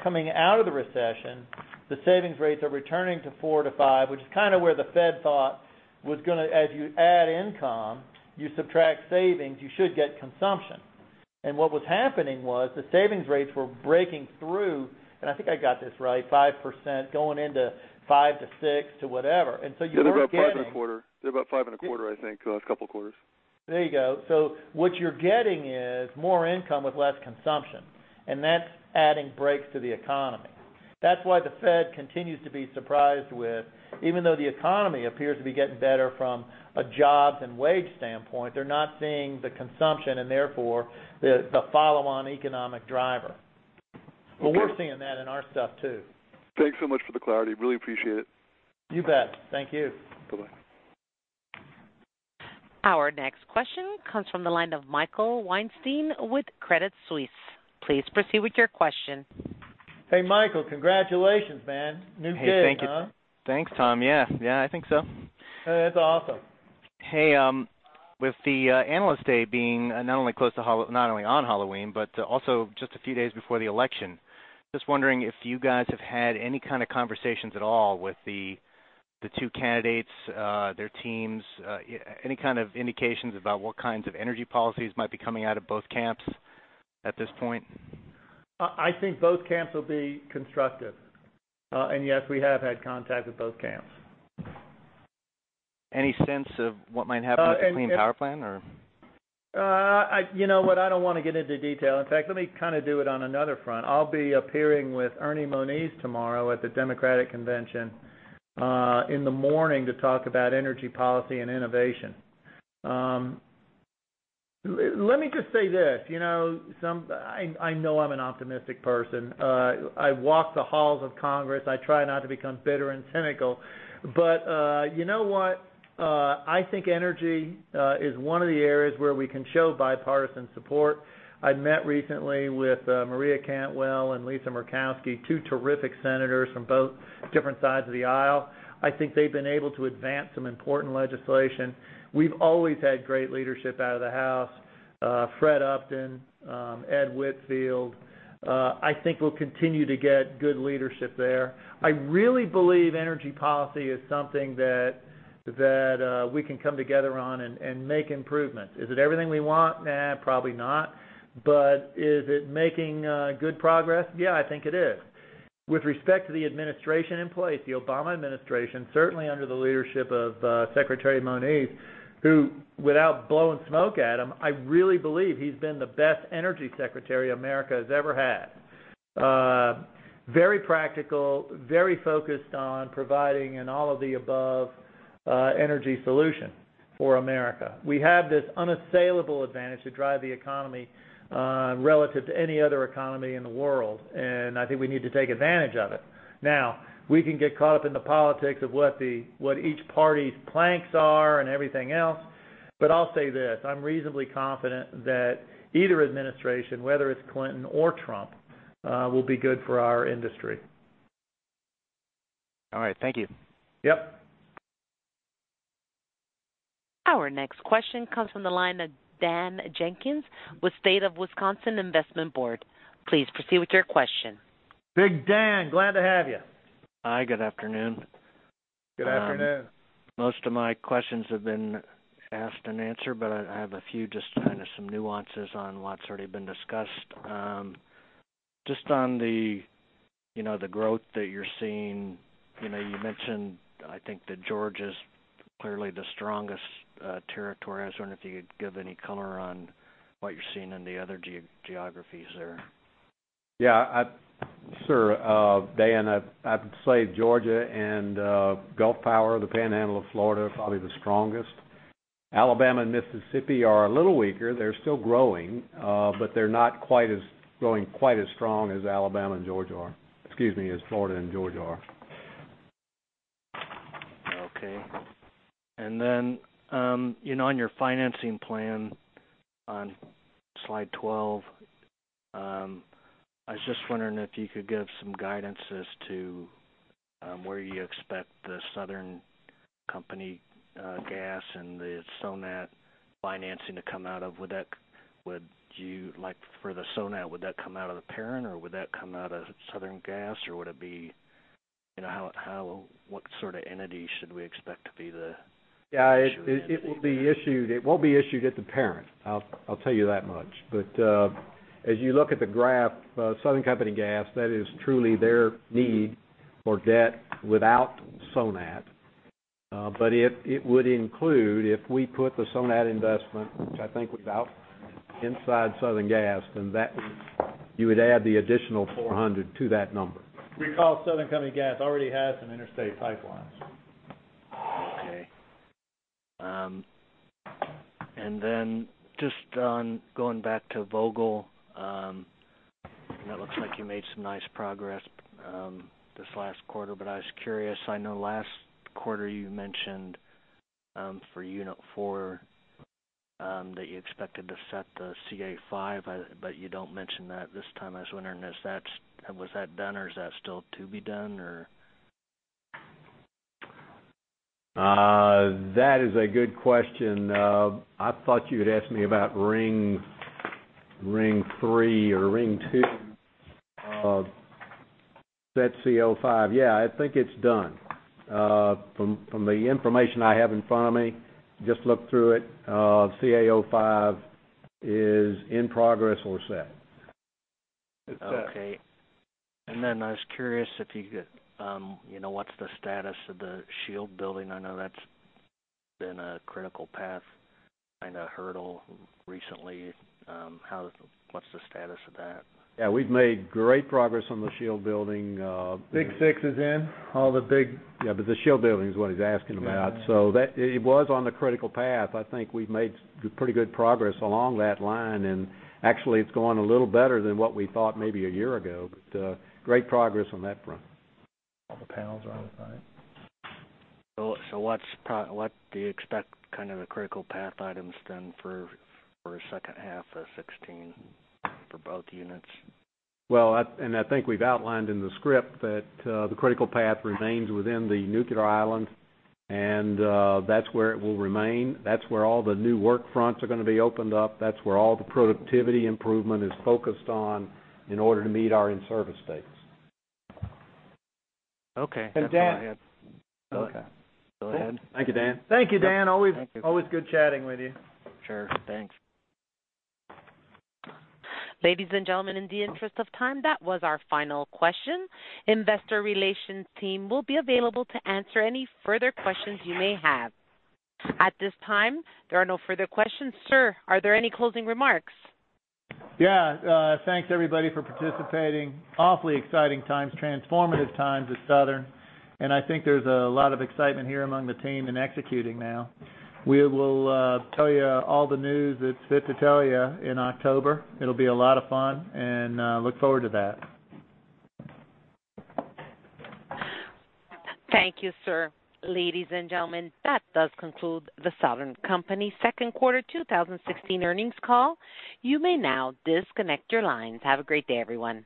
S16: Coming out of the recession, the savings rates are returning to 4%-5%, which is kind of where the Fed thought as you add income, you subtract savings, you should get consumption. What was happening was the savings rates were breaking through, and I think I got this right, 5% going into 5%-6%. Yeah, they're about five and a quarter. They're about five and a quarter, I think, a couple quarters.
S3: There you go. What you're getting is more income with less consumption, and that's adding brakes to the economy. That's why the Fed continues to be surprised with, even though the economy appears to be getting better from a jobs and wage standpoint, they're not seeing the consumption and therefore the follow-on economic driver.
S16: Okay.
S3: We're seeing that in our stuff too.
S16: Thanks so much for the clarity. Really appreciate it.
S3: You bet. Thank you.
S16: Bye-bye.
S1: Our next question comes from the line of Michael Weinstein with Credit Suisse. Please proceed with your question.
S3: Hey, Michael. Congratulations, man. New kid, huh?
S17: Hey, thank you. Thanks, Tom. Yeah. I think so.
S3: Hey, that's awesome.
S17: Hey, with the Analyst Day being not only on Halloween, but also just a few days before the election, just wondering if you guys have had any kind of conversations at all with the two candidates, their teams. Any kind of indications about what kinds of energy policies might be coming out of both camps at this point?
S3: I think both camps will be constructive. Yes, we have had contact with both camps.
S17: Any sense of what might happen with the Clean Power Plan or?
S3: You know what? I don't want to get into detail. In fact, let me do it on another front. I'll be appearing with Ernie Moniz tomorrow at the Democratic convention in the morning to talk about energy policy and innovation. Let me just say this. I know I'm an optimistic person. I walk the halls of Congress. I try not to become bitter and cynical. You know what? I think energy is one of the areas where we can show bipartisan support. I met recently with Maria Cantwell and Lisa Murkowski, two terrific senators from different sides of the aisle. I think they've been able to advance some important legislation. We've always had great leadership out of the House. Fred Upton, Ed Whitfield. I think we'll continue to get good leadership there. I really believe energy policy is something that we can come together on and make improvements. Is it everything we want? Nah, probably not. Is it making good progress? Yeah, I think it is. With respect to the administration in place, the Obama administration, certainly under the leadership of Secretary Moniz, who, without blowing smoke at him, I really believe he's been the best energy secretary America has ever had. Very practical, very focused on providing an all-of-the-above energy solution for America. We have this unassailable advantage to drive the economy relative to any other economy in the world, and I think we need to take advantage of it. Now, we can get caught up in the politics of what each party's planks are and everything else, I'll say this. I'm reasonably confident that either administration, whether it's Clinton or Trump, will be good for our industry.
S17: All right. Thank you.
S3: Yep.
S1: Our next question comes from the line of Dan Jenkins with State of Wisconsin Investment Board. Please proceed with your question.
S3: Big Dan, glad to have you.
S18: Hi, good afternoon.
S3: Good afternoon.
S18: Most of my questions have been asked and answered, but I have a few, just some nuances on what's already been discussed. Just on the growth that you're seeing. You mentioned, I think that Georgia's clearly the strongest territory. I was wondering if you'd give any color on what you're seeing in the other geographies there.
S4: Yeah. Sure. Dan, I'd say Georgia and Gulf Power, the Panhandle of Florida are probably the strongest. Alabama and Mississippi are a little weaker. They're still growing, but they're not growing quite as strong as Alabama and Georgia are. Excuse me, as Florida and Georgia are.
S18: Okay. Then on your financing plan on slide 12, I was just wondering if you could give some guidance as to where you expect the Southern Company Gas and the Sonat financing to come out of. For the Sonat, would that come out of the parent or would that come out of Southern Gas? What sort of entity should we expect to be the issuing entity there?
S4: Yeah, it won't be issued at the parent, I'll tell you that much. As you look at the graph, Southern Company Gas, that is truly their need for debt without Sonat. It would include, if we put the Sonat investment, which I think we've outlined inside Southern Gas, then you would add the additional $400 to that number.
S3: Recall, Southern Company Gas already has some interstate pipelines.
S18: Okay. Then just going back to Vogtle. It looks like you made some nice progress this last quarter, but I was curious. I know last quarter you mentioned for unit four that you expected to set the CA05, but you don't mention that this time. I was wondering, was that done or is that still to be done or?
S4: That is a good question. I thought you had asked me about ring three or ring two. Set CA05. Yeah, I think it's done. From the information I have in front of me, just looked through it, CA05 is in progress or set.
S3: It's set.
S18: Okay. Then I was curious what's the status of the shield building? I know that's been a critical path kind of hurdle recently. What's the status of that?
S4: Yeah, we've made great progress on the shield building.
S3: Big six is in.
S4: Yeah, the shield building is what he's asking about.
S3: Yeah.
S4: It was on the critical path. I think we've made pretty good progress along that line, and actually it's going a little better than what we thought maybe a year ago. Great progress on that front.
S18: All the panels are on the side. What do you expect the critical path items then for the second half of 2016 for both units?
S4: Well, I think we've outlined in the script that the critical path remains within the nuclear island, and that's where it will remain. That's where all the new work fronts are going to be opened up. That's where all the productivity improvement is focused on in order to meet our in-service dates.
S18: Okay. That's all I had.
S3: Dan.
S4: Okay. Go ahead. Thank you, Dan.
S3: Thank you, Dan.
S18: Thank you.
S3: Always good chatting with you.
S18: Sure. Thanks.
S1: Ladies and gentlemen, in the interest of time, that was our final question. Investor relations team will be available to answer any further questions you may have. At this time, there are no further questions. Sir, are there any closing remarks?
S3: Yeah. Thanks everybody for participating. Awfully exciting times, transformative times at Southern, and I think there's a lot of excitement here among the team in executing now. We will tell you all the news that's fit to tell you in October. It'll be a lot of fun and look forward to that.
S1: Thank you, sir. Ladies and gentlemen, that does conclude The Southern Company second quarter 2016 earnings call. You may now disconnect your lines. Have a great day, everyone.